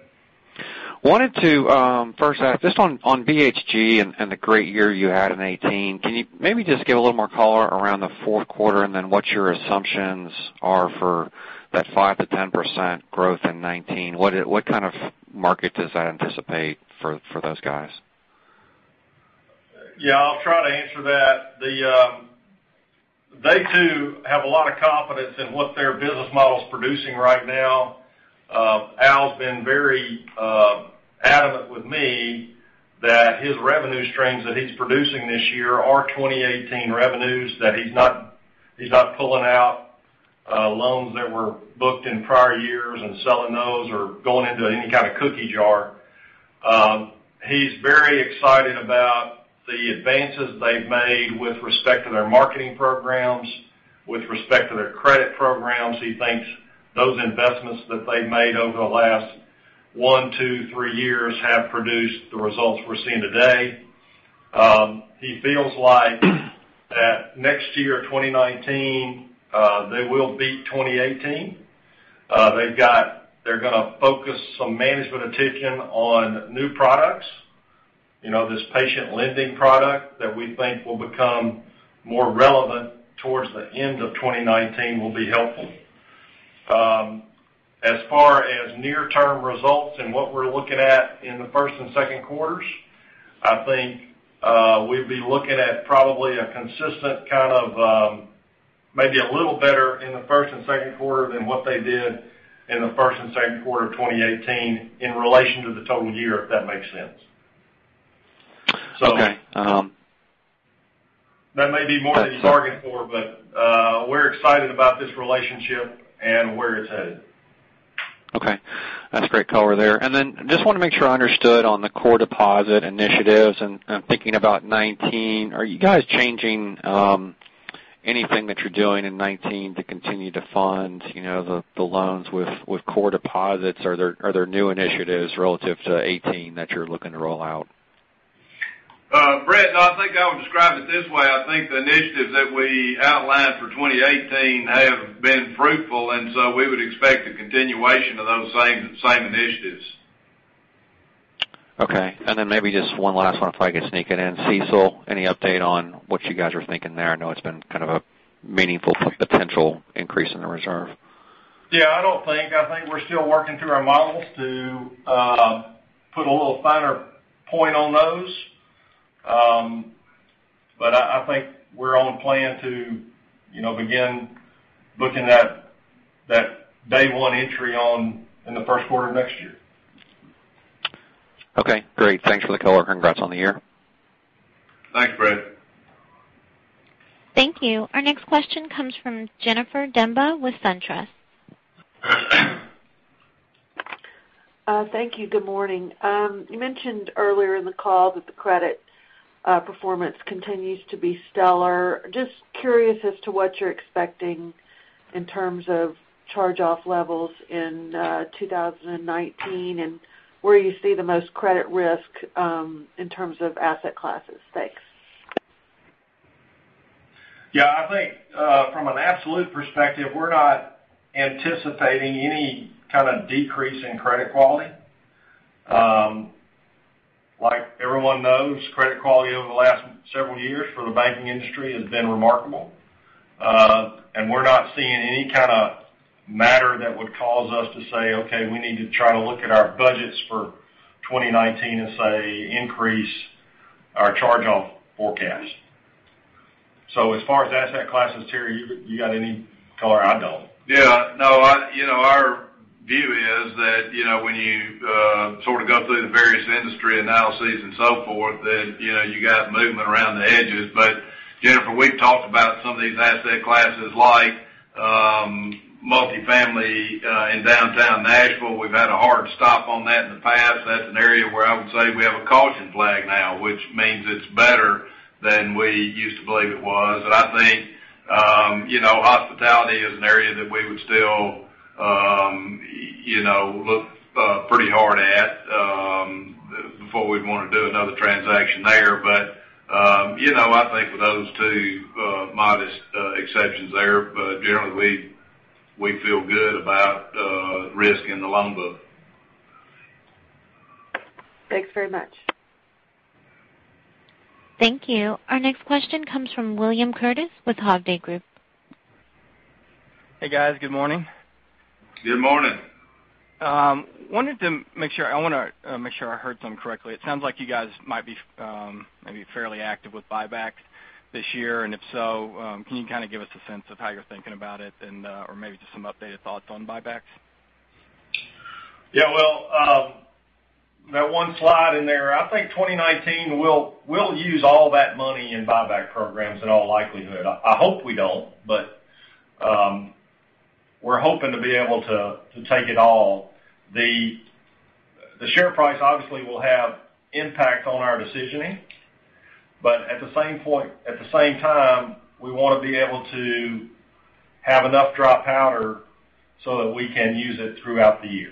Speaker 6: Wanted to first ask, just on BHG and the great year you had in 2018, can you maybe just give a little more color around the fourth quarter, and then what your assumptions are for that 5%-10% growth in 2019? What kind of market does that anticipate for those guys?
Speaker 3: Yeah, I'll try to answer that. They, too, have a lot of confidence in what their business model's producing right now. Al's been very adamant with me that his revenue streams that he's producing this year are 2018 revenues, that he's not pulling out loans that were booked in prior years and selling those, or going into any kind of cookie jar. He's very excited about the advances they've made with respect to their marketing programs, with respect to their credit programs. He thinks those investments that they've made over the last one, two, three years have produced the results we're seeing today. He feels like that next year, 2019, they will beat 2018. They're going to focus some management attention on new products. This patient lending product that we think will become more relevant towards the end of 2019 will be helpful. As far as near-term results and what we're looking at in the first and second quarters, I think we'd be looking at probably a consistent, maybe a little better in the first and second quarter than what they did in the first and second quarter of 2018 in relation to the total year, if that makes sense.
Speaker 6: Okay.
Speaker 3: That may be more than you targeted for, but we're excited about this relationship and where it's headed.
Speaker 6: Okay. That's great color there. Just want to make sure I understood on the core deposit initiatives, and I'm thinking about 2019. Are you guys changing anything that you're doing in 2019 to continue to fund the loans with core deposits? Are there new initiatives relative to 2018 that you're looking to roll out?
Speaker 3: Brett, no, I think I would describe it this way. I think the initiatives that we outlined for 2018 have been fruitful, we would expect the continuation of those same initiatives.
Speaker 6: Okay. Maybe just one last one, if I could sneak it in. CECL, any update on what you guys are thinking there? I know it's been kind of a meaningful potential increase in the reserve.
Speaker 3: Yeah, I don't think. I think we're still working through our models to put a little finer point on those. I think we're on plan to begin looking at that day one entry in the first quarter of next year.
Speaker 6: Okay, great. Thanks for the color. Congrats on the year.
Speaker 3: Thanks, Brett.
Speaker 1: Thank you. Our next question comes from Jennifer Demba with SunTrust.
Speaker 7: Thank you. Good morning. You mentioned earlier in the call that the credit performance continues to be stellar. Just curious as to what you're expecting in terms of charge-off levels in 2019, and where you see the most credit risk in terms of asset classes. Thanks.
Speaker 3: Yeah, I think from an absolute perspective, we're not anticipating any kind of decrease in credit quality. Like everyone knows, credit quality over the last several years for the banking industry has been remarkable. We're not seeing any kind of matter that would cause us to say, "Okay, we need to try to look at our budgets for 2019," and say increase our charge-off forecast. As far as asset classes, Terry, you got any color? I don't.
Speaker 2: Yeah, no. Our view is that when you sort of go through the various industry analyses and so forth, then you got movement around the edges. Jennifer, we've talked about some of these asset classes like multi-family in downtown Nashville. We've had a hard stop on that in the past. That's an area where I would say we have a caution flag now, which means it's better than we used to believe it was. I think, hospitality is an area that we would still look pretty hard at, before we'd want to do another transaction there. I think with those two modest exceptions there, but generally, we feel good about risk in the loan book.
Speaker 7: Thanks very much.
Speaker 1: Thank you. Our next question comes from William Curtiss with Hovde Group.
Speaker 8: Hey, guys. Good morning.
Speaker 3: Good morning.
Speaker 8: I want to make sure I heard something correctly. It sounds like you guys might be fairly active with buybacks this year. If so, can you kind of give us a sense of how you're thinking about it, or maybe just some updated thoughts on buybacks?
Speaker 3: Yeah, well, that one slide in there, I think 2019, we'll use all that money in buyback programs in all likelihood. I hope we don't, we're hoping to be able to take it all. The share price obviously will have impact on our decisioning. At the same time, we want to be able to have enough dry powder so that we can use it throughout the year.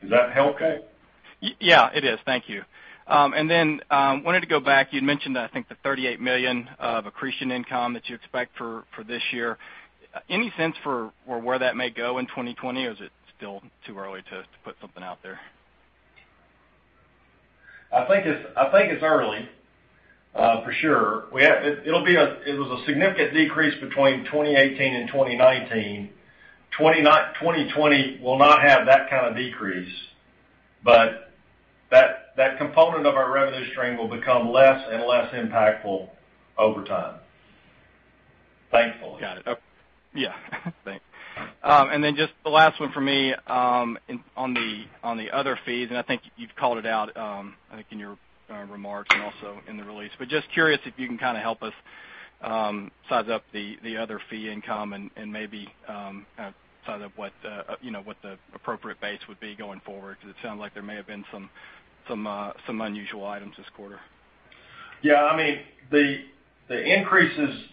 Speaker 3: Does that help, okay?
Speaker 8: Yeah, it is. Thank you. Then, wanted to go back. You'd mentioned, I think the $38 million of accretion income that you expect for this year. Any sense for where that may go in 2020? Is it still too early to put something out there?
Speaker 3: I think it's early, for sure. It was a significant decrease between 2018 and 2019. 2020 will not have that kind of decrease, but that component of our revenue stream will become less and less impactful over time, thankfully.
Speaker 8: Got it. Yeah. Thanks. Just the last one from me, on the other fees, I think you've called it out, I think in your remarks and also in the release, just curious if you can kind of help us size up the other fee income and maybe size up what the appropriate base would be going forward, because it sounds like there may have been some unusual items this quarter.
Speaker 3: Yeah. The increases,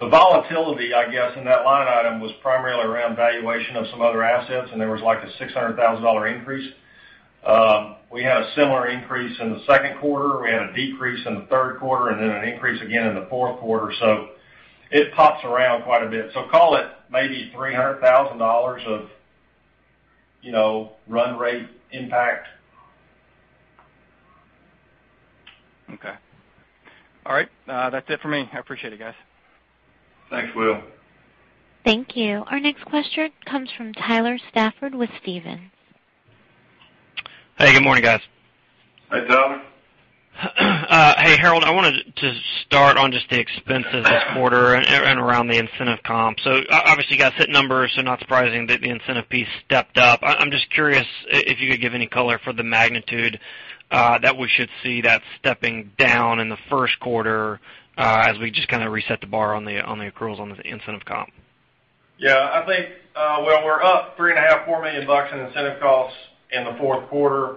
Speaker 3: the volatility, I guess, in that line item was primarily around valuation of some other assets. There was like a $600,000 increase. We had a similar increase in the second quarter. We had a decrease in the third quarter. An increase again in the fourth quarter. It pops around quite a bit. Call it maybe $300,000 of run rate impact.
Speaker 8: Okay. All right. That's it for me. I appreciate it, guys.
Speaker 3: Thanks, Will.
Speaker 1: Thank you. Our next question comes from Tyler Stafford with Stephens.
Speaker 9: Hey, good morning, guys.
Speaker 3: Hey, Tyler.
Speaker 9: Hey, Harold, I wanted to start on just the expenses this quarter and around the incentive comp. Obviously you guys hit numbers, so not surprising that the incentive piece stepped up. I'm just curious if you could give any color for the magnitude that we should see that stepping down in the first quarter, as we just kind of reset the bar on the accruals on the incentive comp.
Speaker 3: Yeah, I think, when we're up $3.5 million-$4 million in incentive costs in the fourth quarter,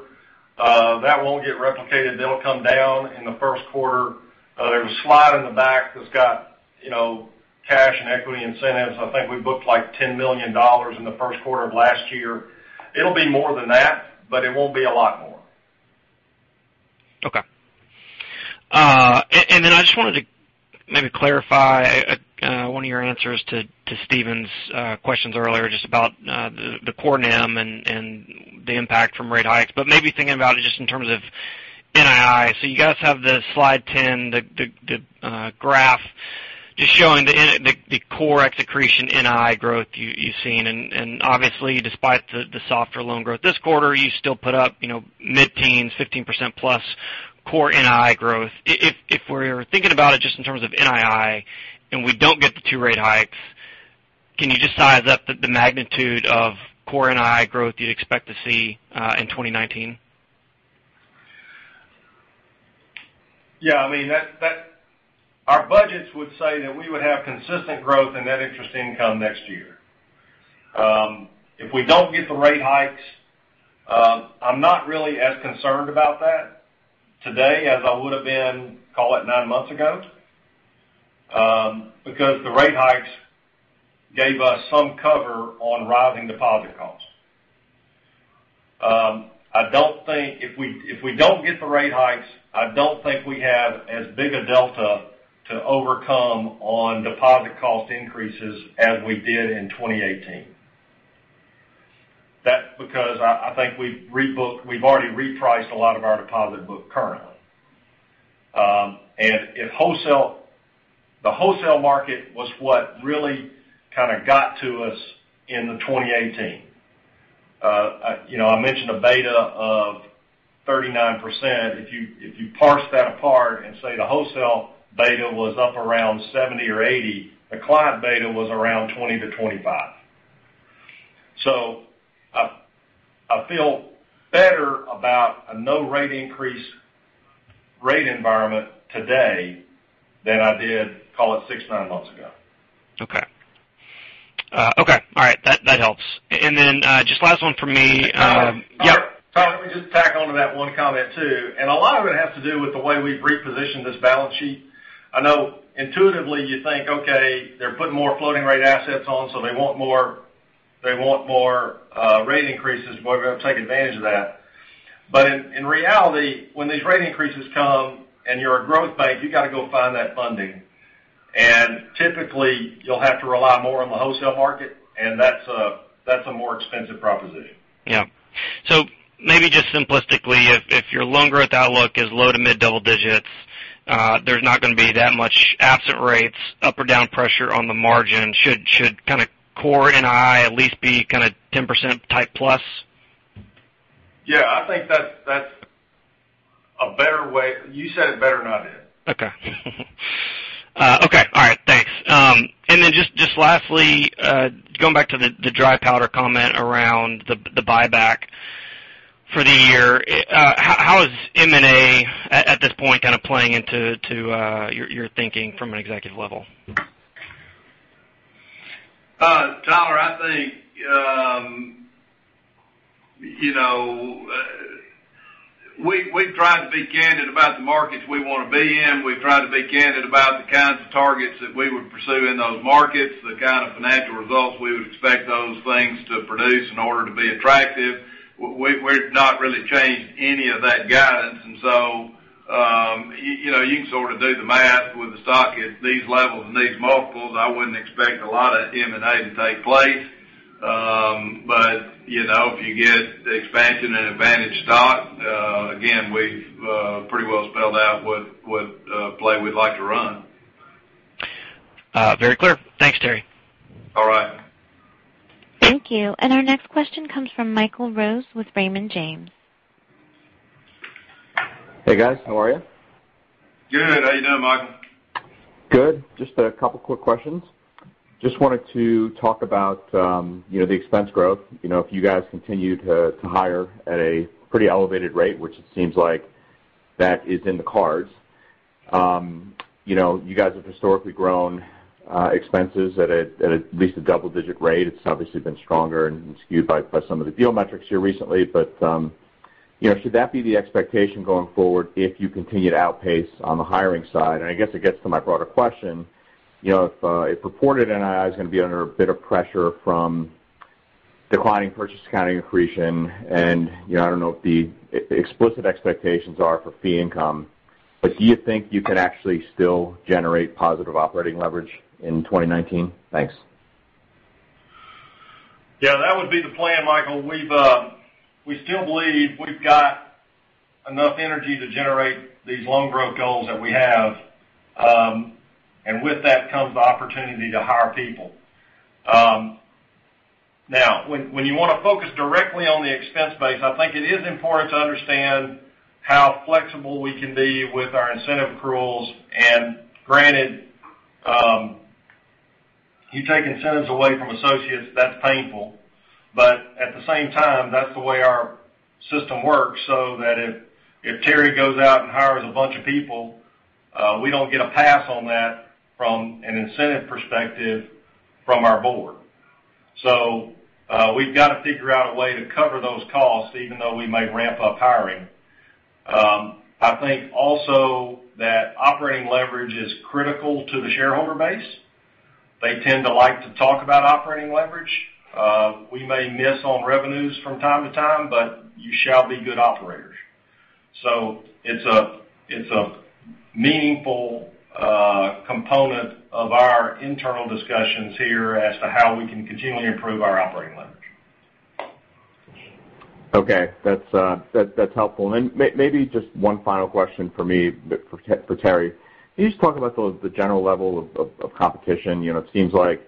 Speaker 3: that won't get replicated. That'll come down in the first quarter. There's a slide in the back that's got cash and equity incentives. I think we booked like $10 million in the first quarter of last year. It'll be more than that, but it won't be a lot more.
Speaker 9: Okay. Then I just wanted to maybe clarify one of your answers to Stephens's questions earlier just about the core NIM and the impact from rate hikes, but maybe thinking about it just in terms of NII. You guys have the slide 10, the graph just showing the core accretion NII growth you've seen. Obviously, despite the softer loan growth this quarter, you still put up mid-teens, 15%+ core NII growth. If we're thinking about it just in terms of NII, and we don't get the two rate hikes, can you just size up the magnitude of core NII growth you'd expect to see in 2019?
Speaker 3: Yeah, our budgets would say that we would have consistent growth in net interest income next year. If we don't get the rate hikes, I'm not really as concerned about that today as I would've been, call it nine months ago, because the rate hikes gave us some cover on rising deposit costs. If we don't get the rate hikes, I don't think we have as big a delta to overcome on deposit cost increases as we did in 2018. That's because I think we've already repriced a lot of our deposit book currently. The wholesale market was what really got to us in the 2018. I mentioned a beta of 39%. If you parse that apart and say the wholesale beta was up around 70 or 80, the client beta was around 20-25. I feel better about a no rate increase rate environment today than I did, call it six-nine months ago.
Speaker 9: Okay. All right. That helps. Then, just last one from me. Yep.
Speaker 3: Tyler, let me just tack onto that one comment, too. A lot of it has to do with the way we've repositioned this balance sheet. I know intuitively you think, okay, they're putting more floating rate assets on, so they want more rate increases, we're going to take advantage of that. In reality, when these rate increases come and you're a growth bank, you got to go find that funding. Typically, you'll have to rely more on the wholesale market, and that's a more expensive proposition.
Speaker 9: Yeah. Maybe just simplistically, if your loan growth outlook is low to mid double digits, there's not going to be that much asset rates up or down pressure on the margin. Should core NII at least be 10%+ type?
Speaker 3: Yeah, I think that's a better way. You said it better than I did.
Speaker 9: Okay. Okay, all right. Thanks. Then just lastly, going back to the dry powder comment around the buyback for the year, how is M&A at this point playing into your thinking from an executive level?
Speaker 2: Tyler, I think, we've tried to be candid about the markets we want to be in. We've tried to be candid about the kinds of targets that we would pursue in those markets, the kind of financial results we would expect those things to produce in order to be attractive. We'd not really changed any of that guidance. So, you can sort of do the math with the stock at these levels and these multiples. I wouldn't expect a lot of M&A to take place. If you get expansion and advantage stock, again, we've pretty well spelled out what play we'd like to run.
Speaker 9: Very clear. Thanks, Terry.
Speaker 2: All right.
Speaker 1: Thank you. Our next question comes from Michael Rose with Raymond James.
Speaker 10: Hey, guys. How are you?
Speaker 3: Good. How you doing, Michael?
Speaker 10: Good. Just a couple quick questions. Just wanted to talk about the expense growth. If you guys continue to hire at a pretty elevated rate, which it seems like that is in the cards. You guys have historically grown expenses at at least a double-digit rate. It's obviously been stronger and skewed by some of the deal metrics here recently. Should that be the expectation going forward if you continue to outpace on the hiring side? I guess it gets to my broader question, if reported NII is going to be under a bit of pressure from declining purchase accounting accretion, and I don't know what the explicit expectations are for fee income, but do you think you can actually still generate positive operating leverage in 2019? Thanks.
Speaker 3: Yeah, that would be the plan, Michael. We still believe we've got enough energy to generate these loan growth goals that we have. With that comes opportunity to hire people. Now, when you want to focus directly on the expense base, I think it is important to understand how flexible we can be with our incentive accruals. Granted, you take incentives away from associates, that's painful. At the same time, that's the way our system works, so that if Terry goes out and hires a bunch of people, we don't get a pass on that from an incentive perspective from our board. We've got to figure out a way to cover those costs, even though we may ramp up hiring. I think also that operating leverage is critical to the shareholder base. They tend to like to talk about operating leverage. We may miss on revenues from time to time, but you shall be good operator. It's a meaningful component of our internal discussions here as to how we can continually improve our operating leverage.
Speaker 10: Okay. That's helpful. Then maybe just one final question from me for Terry. Can you just talk about the general level of competition? It seems like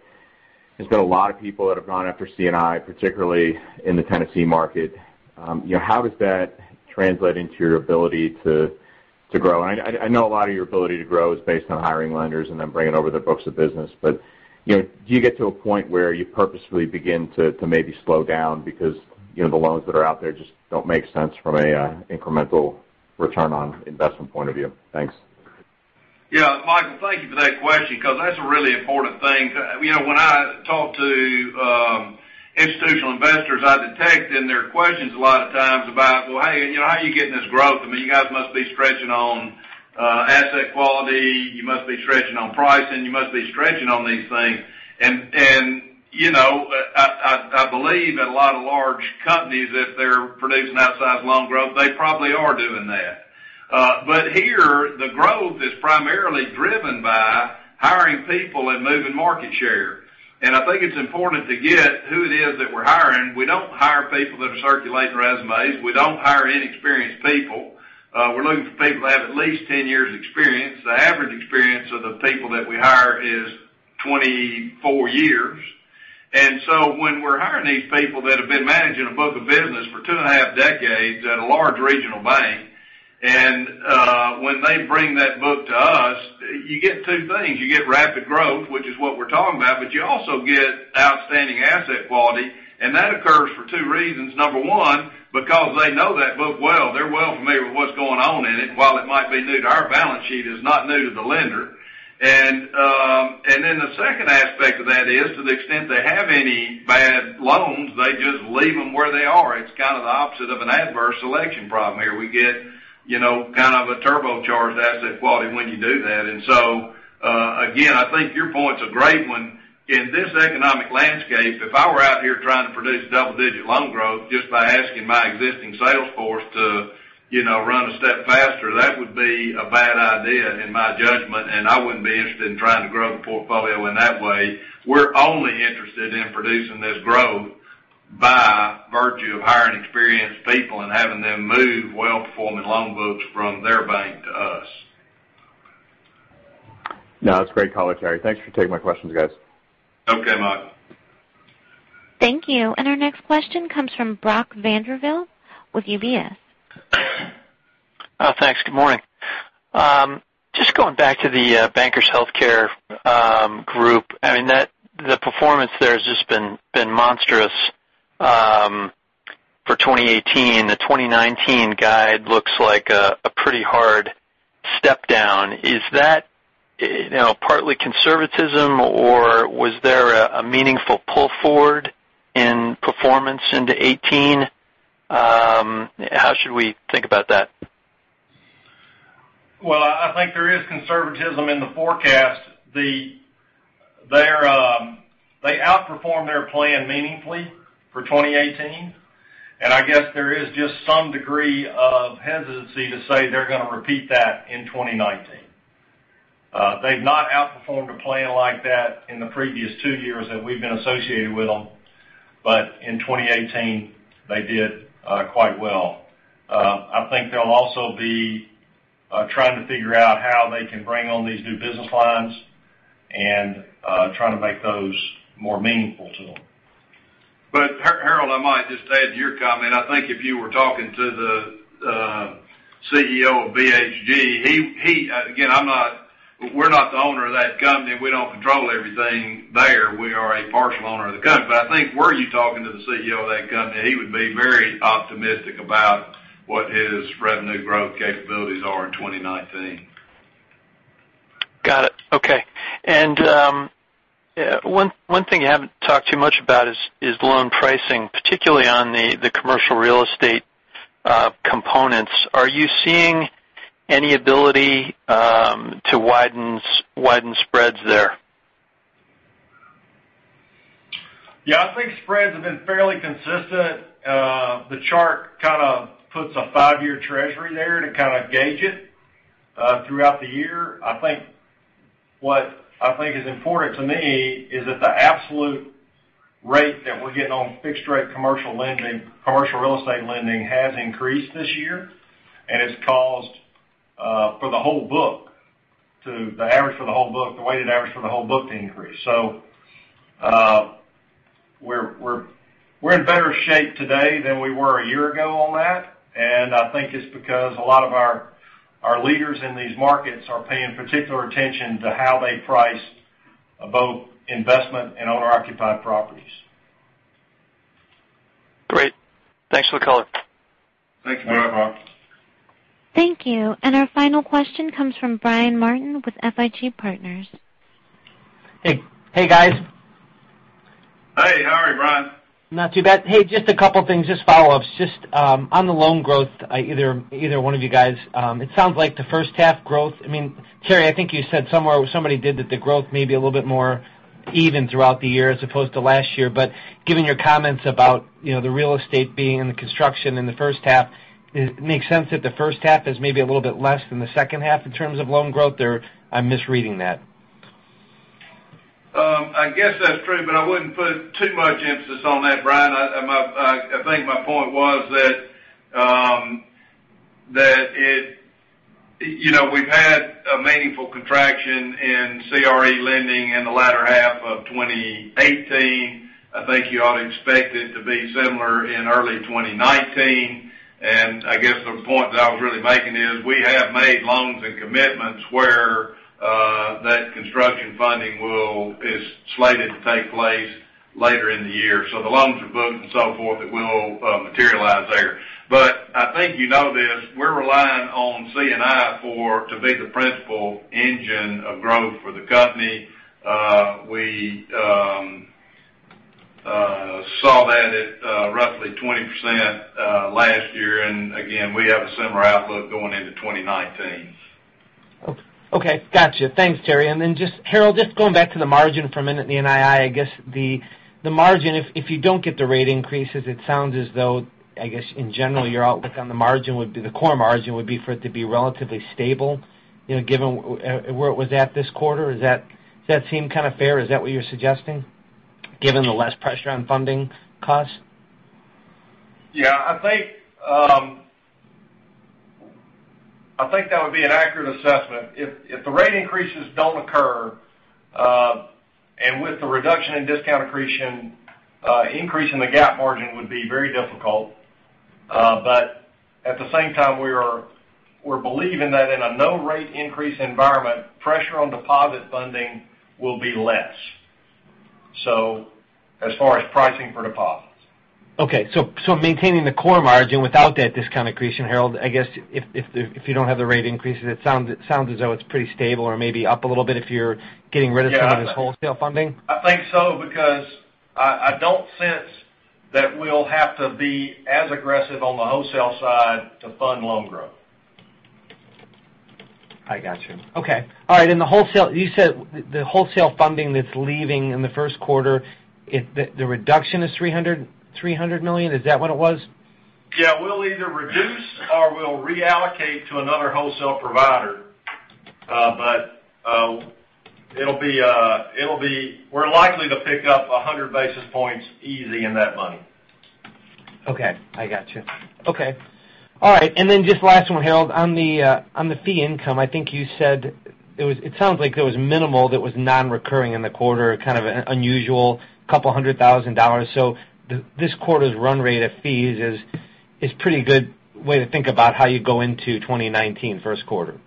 Speaker 10: there's been a lot of people that have gone after C&I, particularly in the Tennessee market. How does that translate into your ability to grow? I know a lot of your ability to grow is based on hiring lenders and then bringing over their books of business. Do you get to a point where you purposefully begin to maybe slow down because the loans that are out there just don't make sense from an incremental return on investment point of view? Thanks.
Speaker 2: Yeah, Michael, thank you for that question, because that's a really important thing. When I talk to institutional investors, I detect in their questions a lot of times about, "Well, how are you getting this growth? You guys must be stretching on asset quality, you must be stretching on pricing, you must be stretching on these things." I believe that a lot of large companies, if they're producing outside loan growth, they probably are doing that. Here, the growth is primarily driven by hiring people and moving market share. I think it's important to get who it is that we're hiring. We don't hire people that are circulating resumes. We don't hire inexperienced people. We're looking for people that have at least 10 years experience. The average experience of the people that we hire is 24 years. When we're hiring these people that have been managing a book of business for two and a half decades at a large regional bank, and when they bring that book to us, you get two things. You get rapid growth, which is what we're talking about, but you also get outstanding asset quality. That occurs for two reasons. Number one, because they know that book well. They're well familiar with what's going on in it, and while it might be new to our balance sheet, it is not new to the lender. The second aspect of that is, to the extent they have any bad loans, they just leave them where they are. It's kind of the opposite of an adverse selection problem here. We get kind of a turbocharged asset quality when you do that. Again, I think your point's a great one. In this economic landscape, if I were out here trying to produce double-digit loan growth just by asking my existing sales force to run a step faster, that would be a bad idea, in my judgment, and I wouldn't be interested in trying to grow the portfolio in that way. We're only interested in producing this growth by virtue of hiring experienced people and having them move well-performing loan books from their bank to us.
Speaker 10: No, that's a great color, Terry. Thanks for taking my questions, guys.
Speaker 2: Okay, Mike.
Speaker 1: Thank you. Our next question comes from Brock Vandervliet with UBS.
Speaker 11: Thanks. Good morning. Just going back to the Bankers Healthcare Group, the performance there has just been monstrous for 2018. The 2019 guide looks like a pretty hard step down. Is that partly conservatism, or was there a meaningful pull forward in performance into 2018? How should we think about that?
Speaker 3: Well, I think there is conservatism in the forecast. They outperformed their plan meaningfully for 2018, and I guess there is just some degree of hesitancy to say they're going to repeat that in 2019. They've not outperformed a plan like that in the previous two years that we've been associated with them. In 2018, they did quite well. I think they'll also be trying to figure out how they can bring on these new business lines and trying to make those more meaningful to them.
Speaker 2: Harold, I might just add to your comment. I think if you were talking to the CEO of BHG, again, we're not the owner of that company. We don't control everything there. We are a partial owner of the company, but I think were you talking to the CEO of that company, he would be very optimistic about what his revenue growth capabilities are in 2019.
Speaker 11: Got it. Okay. One thing you haven't talked too much about is loan pricing, particularly on the commercial real estate components. Are you seeing any ability to widen spreads there?
Speaker 3: I think spreads have been fairly consistent. The chart kind of puts a five-year treasury there to kind of gauge it throughout the year. What I think is important to me is that the absolute rate that we're getting on fixed rate commercial real estate lending has increased this year, and it's caused the weighted average for the whole book to increase. We're in better shape today than we were a year ago on that, and I think it's because a lot of our leaders in these markets are paying particular attention to how they price both investment and owner-occupied properties.
Speaker 11: Great. Thanks for the color.
Speaker 3: Thanks. Vandervliet.
Speaker 1: Thank you. Our final question comes from Brian Martin with FIG Partners.
Speaker 12: Hey, guys.
Speaker 3: Hey, how are you, Brian?
Speaker 12: Not too bad. Hey, just a couple things, just follow-ups. Just on the loan growth, either one of you guys. It sounds like the first half growth, Terry, I think you said somewhere, or somebody did that the growth may be a little bit more even throughout the year as opposed to last year. Given your comments about the real estate being in the construction in the first half, it makes sense that the first half is maybe a little bit less than the second half in terms of loan growth there. I'm misreading that.
Speaker 2: I guess that's true, I wouldn't put too much emphasis on that, Brian. I think my point was that we've had a meaningful contraction in CRE lending in the latter half of 2018. I think you ought to expect it to be similar in early 2019. I guess the point that I was really making is we have made loans and commitments where that construction funding is slated to take place later in the year. The loans are booked and so forth. It will materialize there. I think you know this, we're relying on C&I to be the principal engine of growth for the company. We saw that at roughly 20% last year, and again, we have a similar outlook going into 2019.
Speaker 12: Okay. Gotcha. Thanks, Terry. Harold, just going back to the margin for a minute, the NII, I guess the margin, if you don't get the rate increases, it sounds as though, I guess, in general, your outlook on the margin would be the core margin would be for it to be relatively stable, given where it was at this quarter. Does that seem kind of fair? Is that what you're suggesting, given the less pressure on funding costs?
Speaker 3: Yeah, I think that would be an accurate assessment. If the rate increases don't occur, and with the reduction in discount accretion, increase in the gap margin would be very difficult. At the same time, we're believing that in a no rate increase environment, pressure on deposit funding will be less as far as pricing for deposits.
Speaker 12: Okay. Maintaining the core margin without that discount accretion, Harold, I guess if you don't have the rate increases, it sounds as though it's pretty stable or maybe up a little bit if you're getting rid of some of this wholesale funding.
Speaker 3: I think so because I don't sense that we'll have to be as aggressive on the wholesale side to fund loan growth.
Speaker 12: I got you. Okay. All right. You said the wholesale funding that's leaving in the first quarter, the reduction is $300 million. Is that what it was?
Speaker 3: Yeah. We'll either reduce or we'll reallocate to another wholesale provider. We're likely to pick up 100 basis points easy in that money.
Speaker 12: Okay. I got you. Okay. All right, just last one, Harold. On the fee income, I think you said it sounds like there was minimal that was non-recurring in the quarter, kind of an unusual $200,000. This quarter's run rate of fees is pretty good way to think about how you go into 2019 first quarter.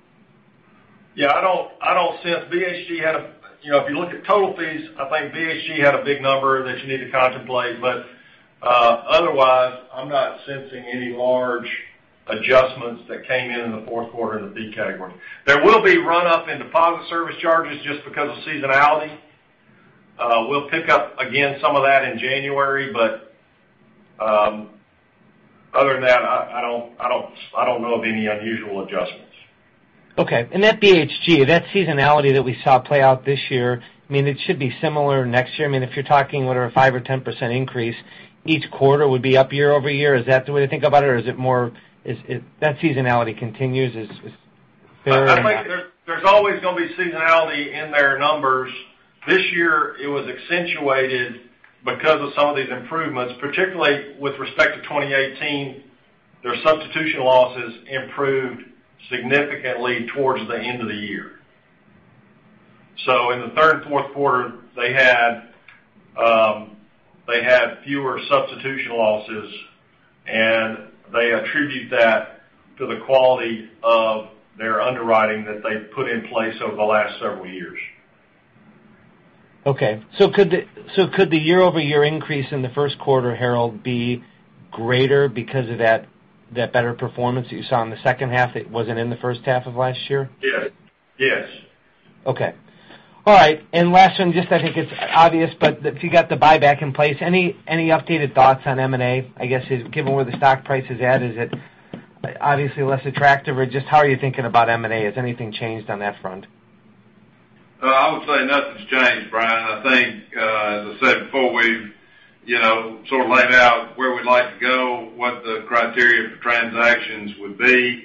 Speaker 3: Yeah, I don't sense BHG had- if you look at total fees, I think BHG had a big number that you need to contemplate. Otherwise, I'm not sensing any large adjustments that came in the fourth quarter in the B category. There will be run-up in deposit service charges just because of seasonality. We'll pick up again some of that in January, but other than that, I don't know of any unusual adjustments.
Speaker 12: Okay. That BHG, that seasonality that we saw play out this year, it should be similar next year. If you're talking about a 5% or 10% increase, each quarter would be up year-over-year. Is that the way to think about it? Or is it more that seasonality continues is fair?
Speaker 3: I think there's always going to be seasonality in their numbers. This year, it was accentuated because of some of these improvements, particularly with respect to 2018, their substitution losses improved significantly towards the end of the year. In the third and fourth quarter, they had fewer substitution losses, and they attribute that to the quality of their underwriting that they've put in place over the last several years.
Speaker 12: Okay. Could the year-over-year increase in the first quarter, Harold, be greater because of that better performance that you saw in the second half that wasn't in the first half of last year?
Speaker 3: Yes.
Speaker 12: Okay. All right, last one, just I think it's obvious, but if you got the buyback in place, any updated thoughts on M&A, I guess, given where the stock price is at, is it obviously less attractive? Just how are you thinking about M&A? Has anything changed on that front?
Speaker 2: I would say nothing's changed, Brian. I think, as I said before, we've sort of laid out where we'd like to go, what the criteria for transactions would be.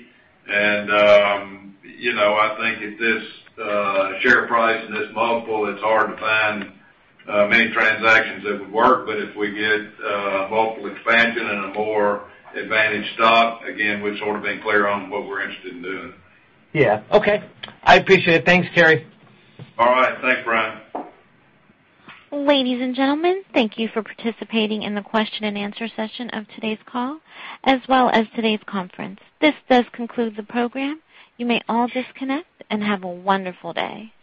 Speaker 2: I think at this share price and this multiple, it's hard to find many transactions that would work. If we get multiple expansion and a more advantaged stock, again, we've sort of been clear on what we're interested in doing.
Speaker 12: Yeah. Okay. I appreciate it. Thanks, Terry.
Speaker 2: All right. Thanks, Brian.
Speaker 1: Ladies and gentlemen, thank you for participating in the question and answer session of today's call as well as today's conference. This does conclude the program. You may all disconnect and have a wonderful day.